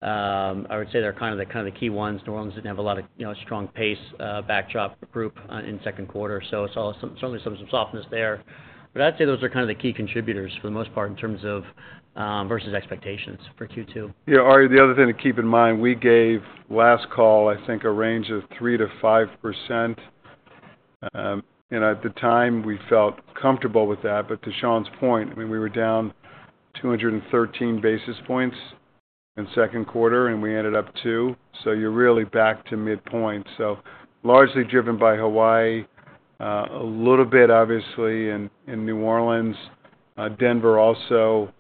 I would say they're kind of the key ones. New Orleans didn't have a lot of strong pace backdrop group in second quarter. So it's certainly some softness there. But I'd say those are kind of the key contributors for the most part in terms of versus expectations for Q2. Yeah. Ari, the other thing to keep in mind, we gave last call, I think, a range of 3%-5%. At the time, we felt comfortable with that. But to Sean's point, I mean, we were down 213 basis points in second quarter, and we ended up 2. So you're really back to midpoint. So largely driven by Hawaii, a little bit, obviously, in New Orleans. Denver also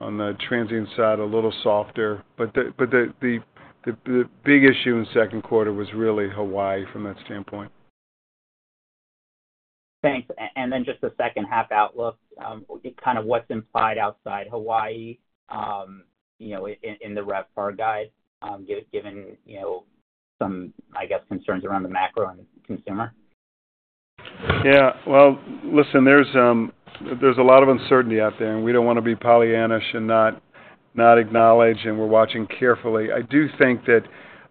on the transient side, a little softer. But the big issue in second quarter was really Hawaii from that standpoint. Thanks. And then just the second-half outlook, kind of what's implied outside Hawaii in the RevPAR guide, given some, I guess, concerns around the macro and consumer? Yeah. Well, listen, there's a lot of uncertainty out there. And we don't want to be Pollyannish and not acknowledge. And we're watching carefully. I do think that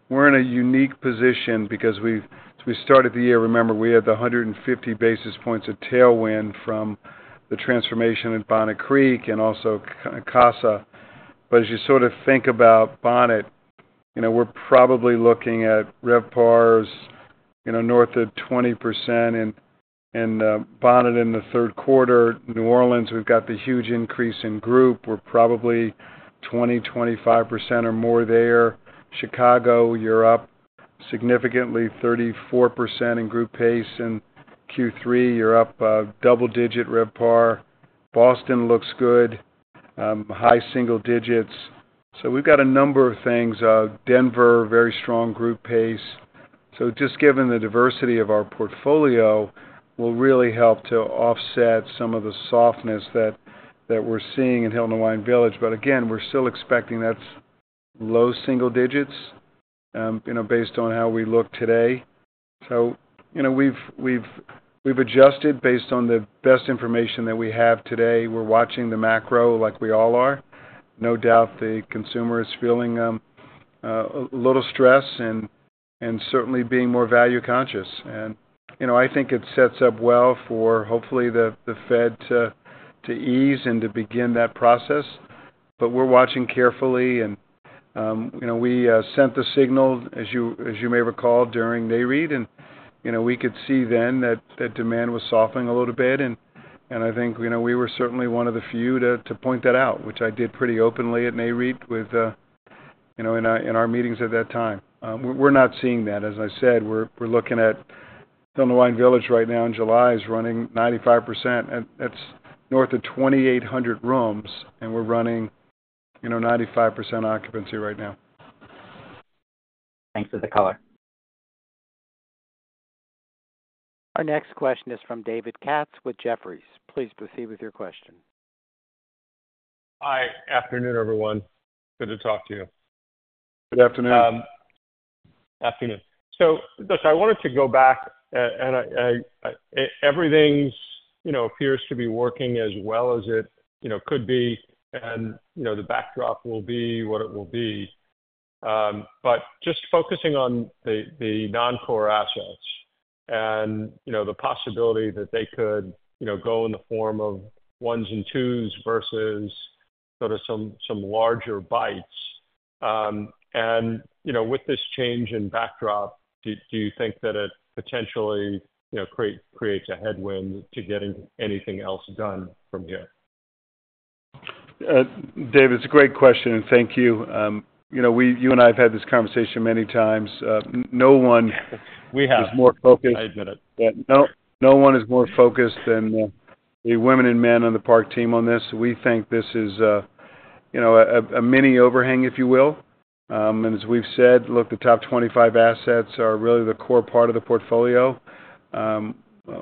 we're in a unique position because we started the year, remember, we had the 150 basis points of tailwind from the transformation at Bonnet Creek and also Casa. But as you sort of think about Bonnet, we're probably looking at RevPARs north of 20%. Bonnet in the third quarter, New Orleans, we've got the huge increase in group. We're probably 20%-25% or more there. Chicago, you're up significantly, 34% in group pace. And Q3, you're up double-digit RevPAR. Boston looks good, high single digits. So we've got a number of things. Denver, very strong group pace. So just given the diversity of our portfolio, will really help to offset some of the softness that we're seeing in Hilton Hawaiian Village. But again, we're still expecting that's low single digits based on how we look today. So we've adjusted based on the best information that we have today. We're watching the macro like we all are. No doubt the consumer is feeling a little stress and certainly being more value-conscious. And I think it sets up well for, hopefully, the Fed to ease and to begin that process. But we're watching carefully. And we sent the signal, as you may recall, during NAREIT. And we could see then that demand was softening a little bit. And I think we were certainly one of the few to point that out, which I did pretty openly at NAREIT within our meetings at that time. We're not seeing that. As I said, we're looking at Hilton Hawaiian Village right now in July is running 95%. That's north of 2,800 rooms. And we're running 95% occupancy right now. Thanks for the color. Our next question is from David Katz with Jefferies. Please proceed with your question. Hi. Afternoon, everyone. Good to talk to you. Good afternoon. Afternoon. So I wanted to go back. Everything appears to be working as well as it could be. The backdrop will be what it will be. But just focusing on the non-core assets and the possibility that they could go in the form of ones and twos versus sort of some larger bites. And with this change in backdrop, do you think that it potentially creates a headwind to getting anything else done from here? David, it's a great question. And thank you. You and I have had this conversation many times. No one is more focused. I admit it. No one is more focused than the women and men on the Park team on this. We think this is a mini overhang, if you will. And as we've said, look, the top 25 assets are really the core part of the portfolio.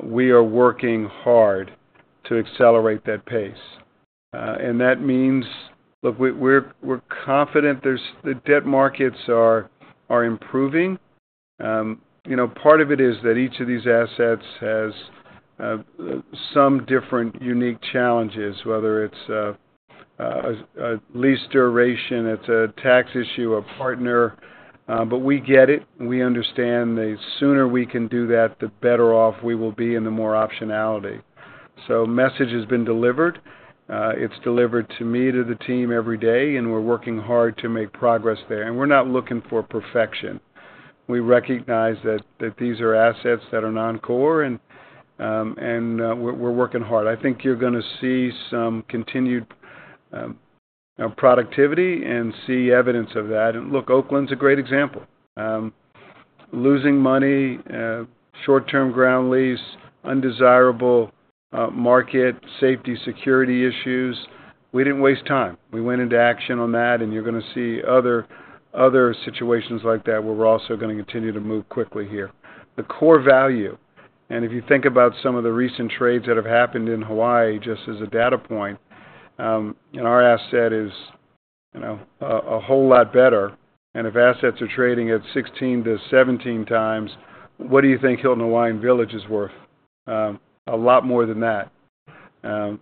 We are working hard to accelerate that pace. And that means, look, we're confident the debt markets are improving. Part of it is that each of these assets has some different unique challenges, whether it's a lease duration. It's a tax issue, a partner. But we get it. We understand the sooner we can do that, the better off we will be and the more optionality. So message has been delivered. It's delivered to me, to the team every day. And we're working hard to make progress there. And we're not looking for perfection. We recognize that these are assets that are non-core. And we're working hard. I think you're going to see some continued productivity and see evidence of that. And look, Oakland's a great example. Losing money, short-term ground lease, undesirable market, safety, security issues. We didn't waste time. We went into action on that. And you're going to see other situations like that where we're also going to continue to move quickly here. The core value. And if you think about some of the recent trades that have happened in Hawaii just as a data point, our asset is a whole lot better. And if assets are trading at 16x-17x, what do you think Hilton Hawaiian Village is worth? A lot more than that. And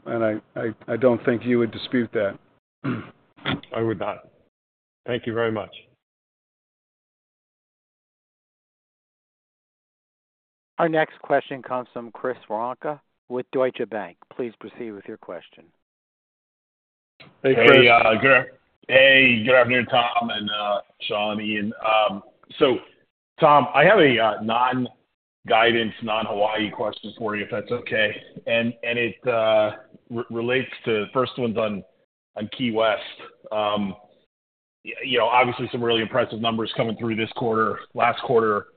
I don't think you would dispute that. I would not. Thank you very much. Our next question comes from Chris Woronka with Deutsche Bank. Please proceed with your question. Hey, Chris. Hey. Good afternoon, Tom, and Sean, Ian. So Tom, I have a non-guidance, non-Hawaii question for you, if that's okay. And it relates to the first one's on Key West. Obviously, some really impressive numbers coming through this quarter, last quarter.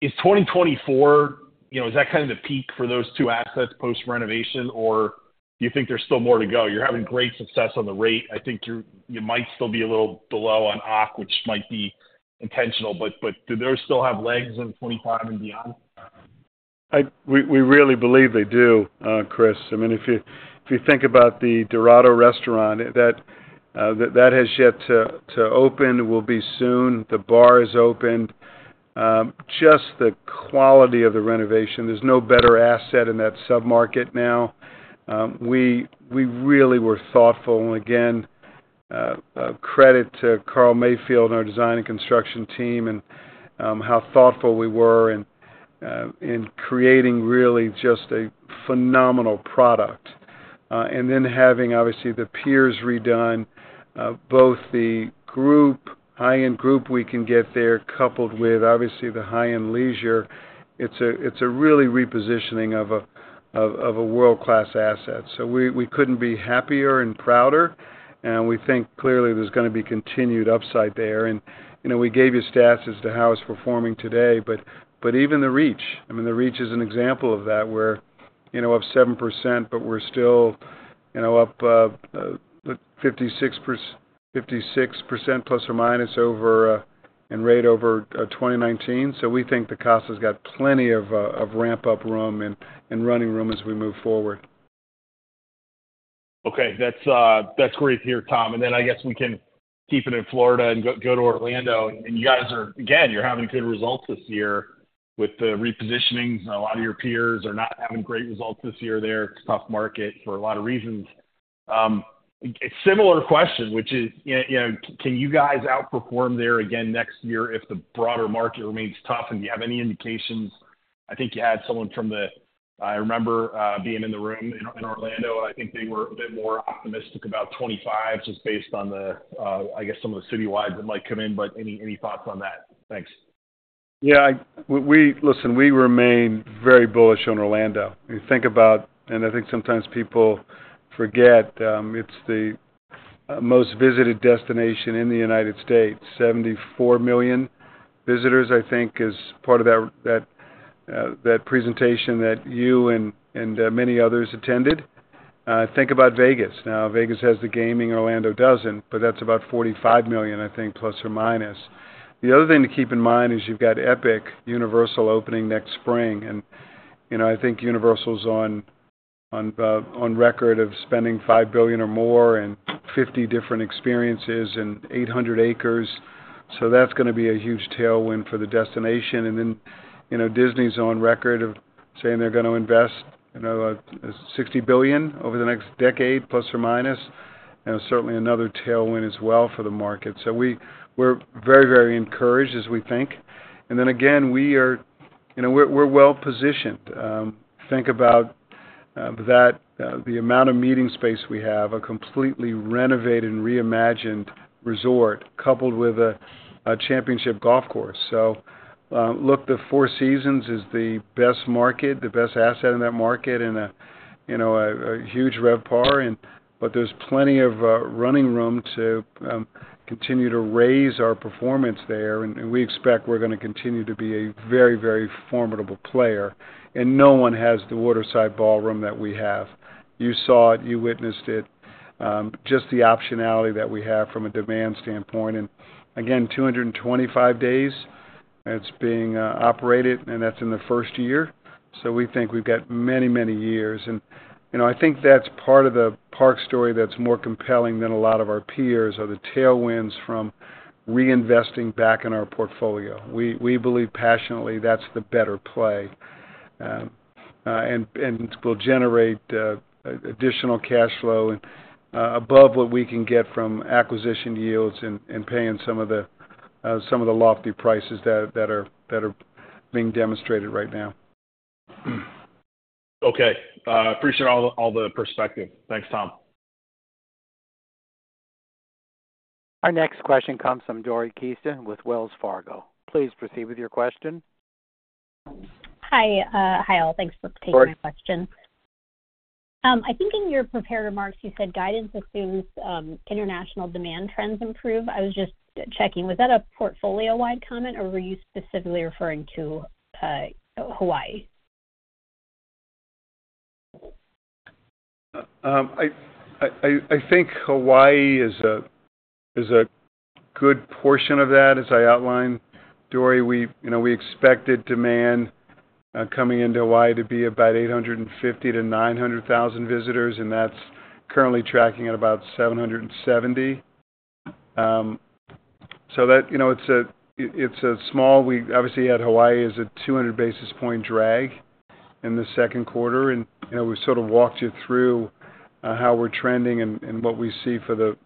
Is 2024, is that kind of the peak for those two assets post-renovation? Or do you think there's still more to go? You're having great success on the rate. I think you might still be a little below on OC, which might be intentional. But do those still have legs in 2025 and beyond? We really believe they do, Chris. I mean, if you think about the Dorado restaurant, that has yet to open, will be soon. The bar is open. Just the quality of the renovation. There's no better asset in that submarket now. We really were thoughtful. And again, credit to Carl Mayfield and our design and construction team and how thoughtful we were in creating really just a phenomenal product. And then having, obviously, the piers redone, both the high-end group we can get there coupled with, obviously, the high-end leisure. It's a really repositioning of a world-class asset. So we couldn't be happier and prouder. And we think clearly there's going to be continued upside there. And we gave you stats as to how it's performing today. But even The Reach. I mean, The Reach is an example of that where we're up 7%, but we're still up 56% plus or minus in rate over 2019. So we think the Casa's got plenty of ramp-up room and running room as we move forward. Okay. That's great to hear, Tom. And then I guess we can keep it in Florida and go to Orlando. And you guys are, again, you're having good results this year with the repositionings. A lot of your peers are not having great results this year there. It's a tough market for a lot of reasons. A similar question, which is, can you guys outperform there again next year if the broader market remains tough? And do you have any indications? I think you had someone from the. I remember being in the room in Orlando. And I think they were a bit more optimistic about 2025 just based on the, I guess, some of the citywides that might come in. But any thoughts on that? Thanks. Yeah. Listen, we remain very bullish on Orlando. And I think sometimes people forget it's the most visited destination in the United States. 74 million visitors, I think, is part of that presentation that you and many others attended. Think about Vegas. Now, Vegas has the gaming. Orlando doesn't. But that's about 45 million, I think, plus or minus. The other thing to keep in mind is you've got Epic Universal opening next spring. And I think Universal's on record of spending $5 billion or more and 50 different experiences and 800 acres. So that's going to be a huge tailwind for the destination. And then Disney's on record of saying they're going to invest $60 billion over the next decade, ±. And certainly another tailwind as well for the market. So we're very, very encouraged, as we think. And then again, we're well-positioned. Think about the amount of meeting space we have, a completely renovated and reimagined resort coupled with a championship golf course. So look, the Four Seasons is the best market, the best asset in that market, and a huge RevPAR. But there's plenty of running room to continue to raise our performance there. And we expect we're going to continue to be a very, very formidable player. And no one has the waterside ballroom that we have. You saw it. You witnessed it. Just the optionality that we have from a demand standpoint. And again, 225 days it's being operated. And that's in the first year. So we think we've got many, many years. And I think that's part of the Park story that's more compelling than a lot of our peers are the tailwinds from reinvesting back in our portfolio. We believe passionately that's the better play and will generate additional cash flow above what we can get from acquisition yields and paying some of the lofty prices that are being demonstrated right now. Okay. Appreciate all the perspective. Thanks, Tom. Our next question comes from Dori Kesten with Wells Fargo. Please proceed with your question. Hi, Ian. Thanks for taking my question. I think in your prepared remarks, you said guidance assumes international demand trends improve. I was just checking. Was that a portfolio-wide comment? Or were you specifically referring to Hawaii? I think Hawaii is a good portion of that, as I outlined. Dori, we expected demand coming into Hawaii to be about 850,000-900,000 visitors. And that's currently tracking at about 770,000. So it's a small obviously, at Hawaii, it's a 200 basis point drag in the second quarter. And we've sort of walked you through how we're trending and what we see for the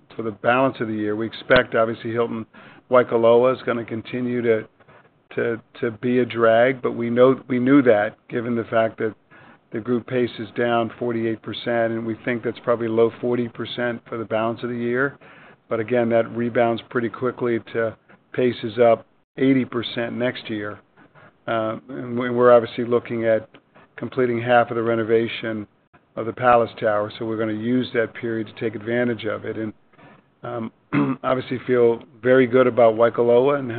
balance of the year. We expect, obviously, Hilton Waikoloa is going to continue to be a drag. But we knew that given the fact that the group pace is down 48%. And we think that's probably low 40% for the balance of the year. But again, that rebounds pretty quickly to pace is up 80% next year. And we're obviously looking at completing half of the renovation of the Palace Tower. So we're going to use that period to take advantage of it. And obviously, feel very good about Waikoloa and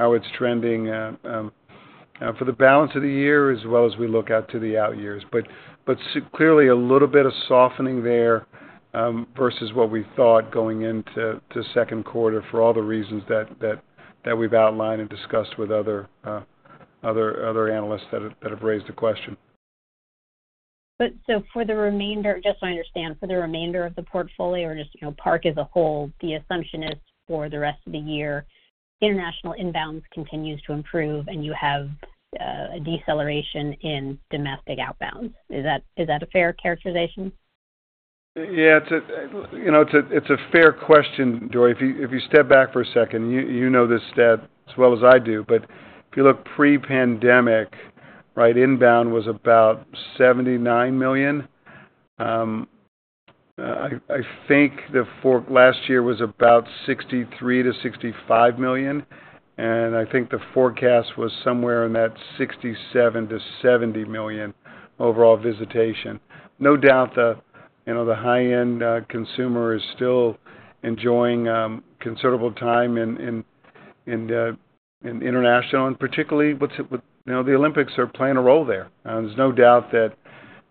how it's trending for the balance of the year as well as we look out to the out years. But clearly, a little bit of softening there versus what we thought going into the second quarter for all the reasons that we've outlined and discussed with other analysts that have raised the question. So for the remainder just so I understand, for the remainder of the portfolio or just Park as a whole, the assumption is for the rest of the year, international inbounds continues to improve and you have a deceleration in domestic outbounds. Is that a fair characterization? Yeah. It's a fair question, Dori. If you step back for a second, you know this stat as well as I do. But if you look pre-pandemic, right, inbound was about 79 million. I think last year was about 63-65 million. And I think the forecast was somewhere in that 67-70 million overall visitation. No doubt the high-end consumer is still enjoying considerable time in international. And particularly, the Olympics are playing a role there. There's no doubt that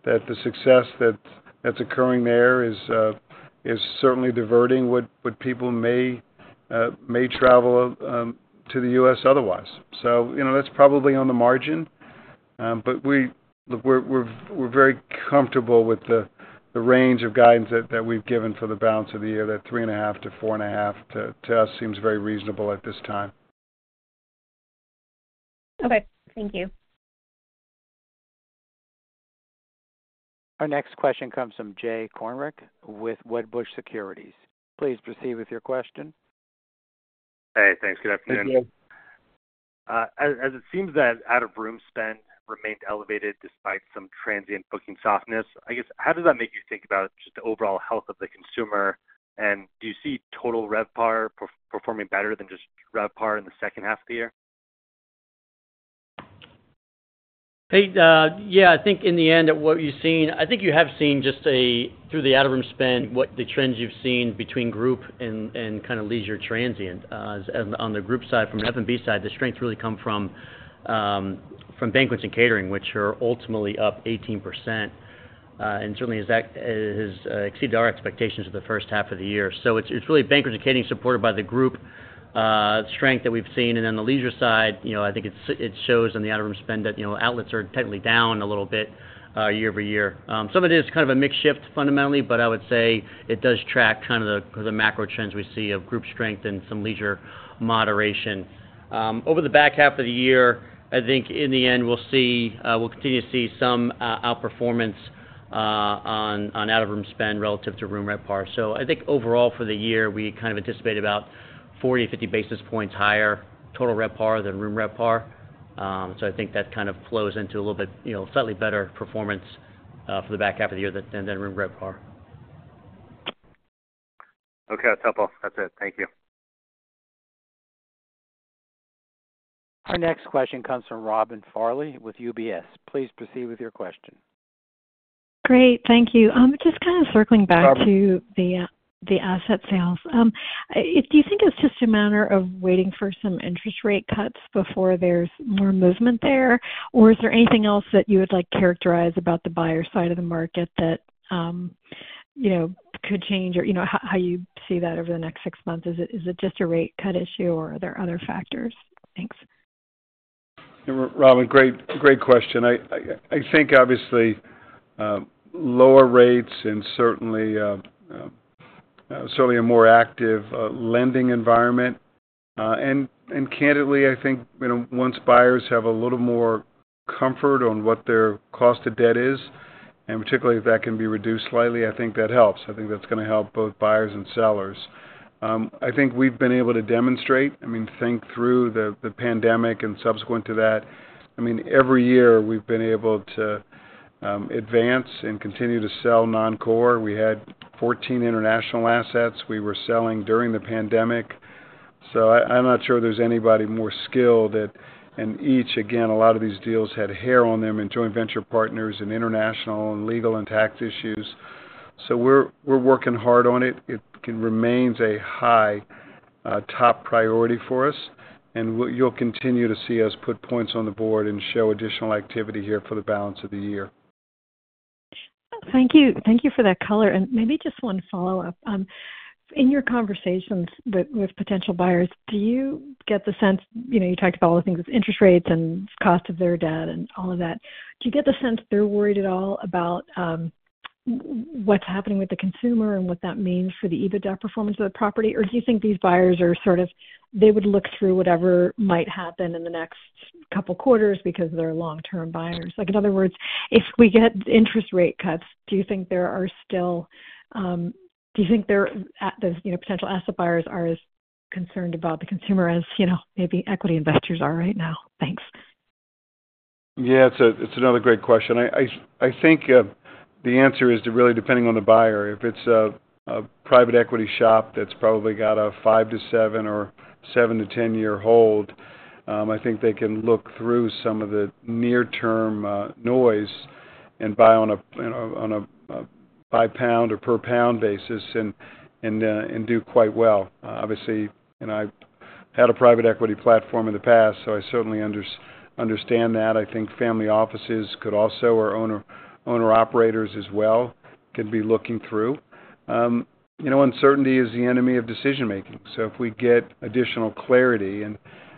the success that's occurring there is certainly diverting what people may travel to the U.S. otherwise. So that's probably on the margin. But we're very comfortable with the range of guidance that we've given for the balance of the year. That 3.5-4.5, to us, seems very reasonable at this time. Okay. Thank you. Our next question comes from Jay Kornreich with Wedbush Securities. Please proceed with your question. Hey. Thanks. Good afternoon. Thank you. As it seems that out-of-room spend remained elevated despite some transient booking softness, I guess, how does that make you think about just the overall health of the consumer? And do you see total RevPAR performing better than just RevPAR in the second half of the year? Hey. Yeah. I think in the end, what you've seen I think you have seen just through the out-of-room spend what the trends you've seen between group and kind of leisure transient. On the group side, from an F&B side, the strength really comes from banquets and catering, which are ultimately up 18%. And certainly, it has exceeded our expectations for the first half of the year. So it's really banquets and catering supported by the group strength that we've seen. Then the leisure side, I think it shows on the out-of-room spend that outlets are technically down a little bit year-over-year. Some of it is kind of a mixed shift fundamentally. But I would say it does track kind of the macro trends we see of group strength and some leisure moderation. Over the back half of the year, I think in the end, we'll continue to see some outperformance on out-of-room spend relative to room RevPAR. So I think overall for the year, we kind of anticipate about 40-50 basis points higher total RevPAR than room RevPAR. So I think that kind of flows into a little bit slightly better performance for the back half of the year than room RevPAR. Okay. That's helpful. That's it. Thank you. Our next question comes from Robin Farley with UBS. Please proceed with your question. Great. Thank you. Just kind of circling back to the asset sales. Do you think it's just a matter of waiting for some interest rate cuts before there's more movement there? Or is there anything else that you would like to characterize about the buyer side of the market that could change or how you see that over the next six months? Is it just a rate cut issue? Or are there other factors? Thanks. Robin, great question. I think, obviously, lower rates and certainly a more active lending environment. And candidly, I think once buyers have a little more comfort on what their cost of debt is, and particularly if that can be reduced slightly, I think that helps. I think that's going to help both buyers and sellers. I think we've been able to demonstrate. I mean, think through the pandemic and subsequent to that. I mean, every year, we've been able to advance and continue to sell non-core. We had 14 international assets we were selling during the pandemic. So I'm not sure there's anybody more skilled at each. Again, a lot of these deals had hair on them and joint venture partners and international and legal and tax issues. So we're working hard on it. It remains a high top priority for us. And you'll continue to see us put points on the board and show additional activity here for the balance of the year. Thank you for that color. And maybe just one follow-up. In your conversations with potential buyers, do you get the sense you talked about all the things with interest rates and cost of their debt and all of that. Do you get the sense they're worried at all about what's happening with the consumer and what that means for the EBITDA performance of the property? Or do you think these buyers are sort of they would look through whatever might happen in the next couple of quarters because they're long-term buyers? In other words, if we get interest rate cuts, do you think there are still do you think the potential asset buyers are as concerned about the consumer as maybe equity investors are right now? Thanks. Yeah. It's another great question. I think the answer is really depending on the buyer. If it's a private equity shop that's probably got a 5-7 or 7-10-year hold, I think they can look through some of the near-term noise and buy on a by-pound or per-pound basis and do quite well. Obviously, I've had a private equity platform in the past. So I certainly understand that. I think family offices could also or owner-operators as well could be looking through. Uncertainty is the enemy of decision-making. So if we get additional clarity and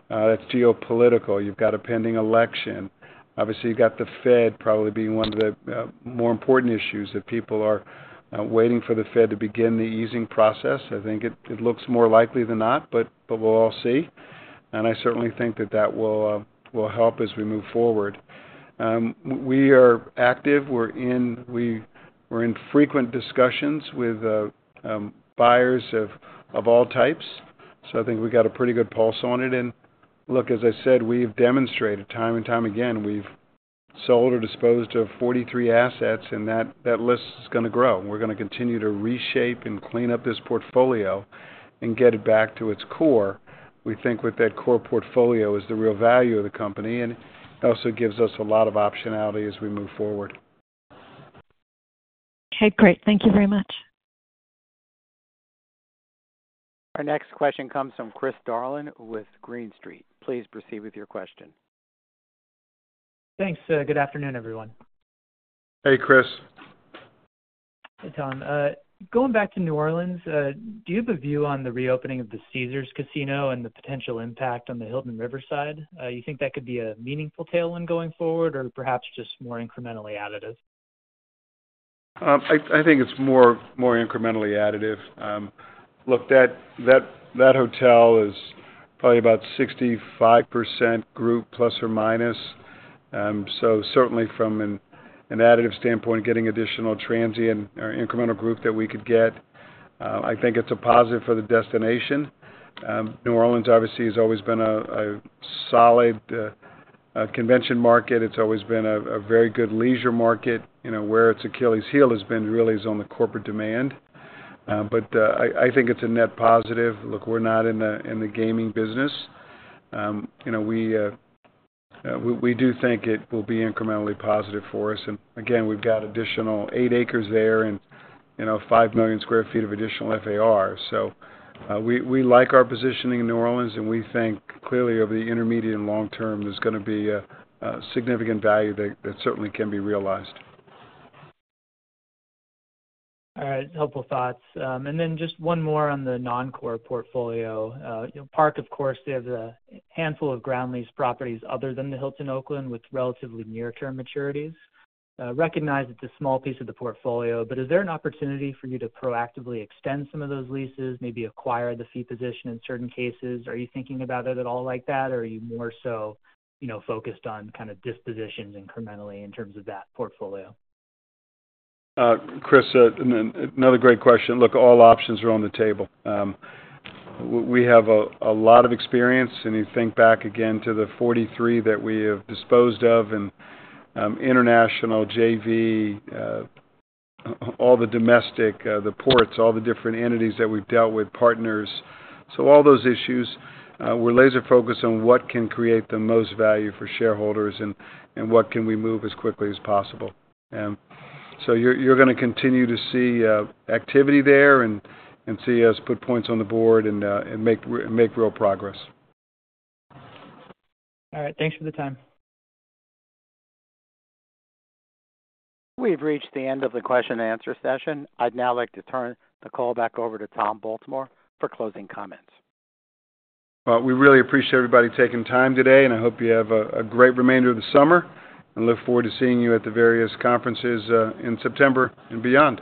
that's geopolitical. You've got a pending election. Obviously, you've got the Fed probably being one of the more important issues that people are waiting for the Fed to begin the easing process. I think it looks more likely than not. But we'll all see. And I certainly think that that will help as we move forward. We are active. We're in frequent discussions with buyers of all types. So I think we've got a pretty good pulse on it. And look, as I said, we've demonstrated time and time again. We've sold or disposed of 43 assets. And that list is going to grow. We're going to continue to reshape and clean up this portfolio and get it back to its core. We think with that core portfolio is the real value of the company. And it also gives us a lot of optionality as we move forward. Okay. Great. Thank you very much. Our next question comes from Chris Darling with Green Street. Please proceed with your question. Thanks. Good afternoon, everyone. Hey, Chris. Hey, Tom. Going back to New Orleans, do you have a view on the reopening of the Caesars Casino and the potential impact on the Hilton Riverside? You think that could be a meaningful tailwind going forward or perhaps just more incrementally additive? I think it's more incrementally additive. Look, that hotel is probably about 65% group plus or minus. So certainly, from an additive standpoint, getting additional transient or incremental group that we could get, I think it's a positive for the destination. New Orleans, obviously, has always been a solid convention market. It's always been a very good leisure market. Where it's Achilles' heel has been really is on the corporate demand. But I think it's a net positive. Look, we're not in the gaming business. We do think it will be incrementally positive for us. And again, we've got additional 8 acres there and 5 million sq ft of additional FAR. So we like our positioning in New Orleans. And we think, clearly, over the intermediate and long term, there's going to be significant value that certainly can be realized. All right. Helpful thoughts. And then just one more on the non-core portfolio. Park, of course, they have a handful of ground lease properties other than the Hilton Oakland with relatively near-term maturities. Recognize it's a small piece of the portfolio. But is there an opportunity for you to proactively extend some of those leases, maybe acquire the fee position in certain cases? Are you thinking about it at all like that? Or are you more so focused on kind of dispositions incrementally in terms of that portfolio? Chris, another great question. Look, all options are on the table. We have a lot of experience. And you think back again to the 43 that we have disposed of and international, JV, all the domestic, the ports, all the different entities that we've dealt with, partners. So all those issues, we're laser-focused on what can create the most value for shareholders and what can we move as quickly as possible. So you're going to continue to see activity there and see us put points on the board and make real progress. All right. Thanks for the time. We've reached the end of the question-and-answer session. I'd now like to turn the call back over to Tom Baltimore for closing comments. Well, we really appreciate everybody taking time today. And I hope you have a great remainder of the summer. And look forward to seeing you at the various conferences in September and beyond.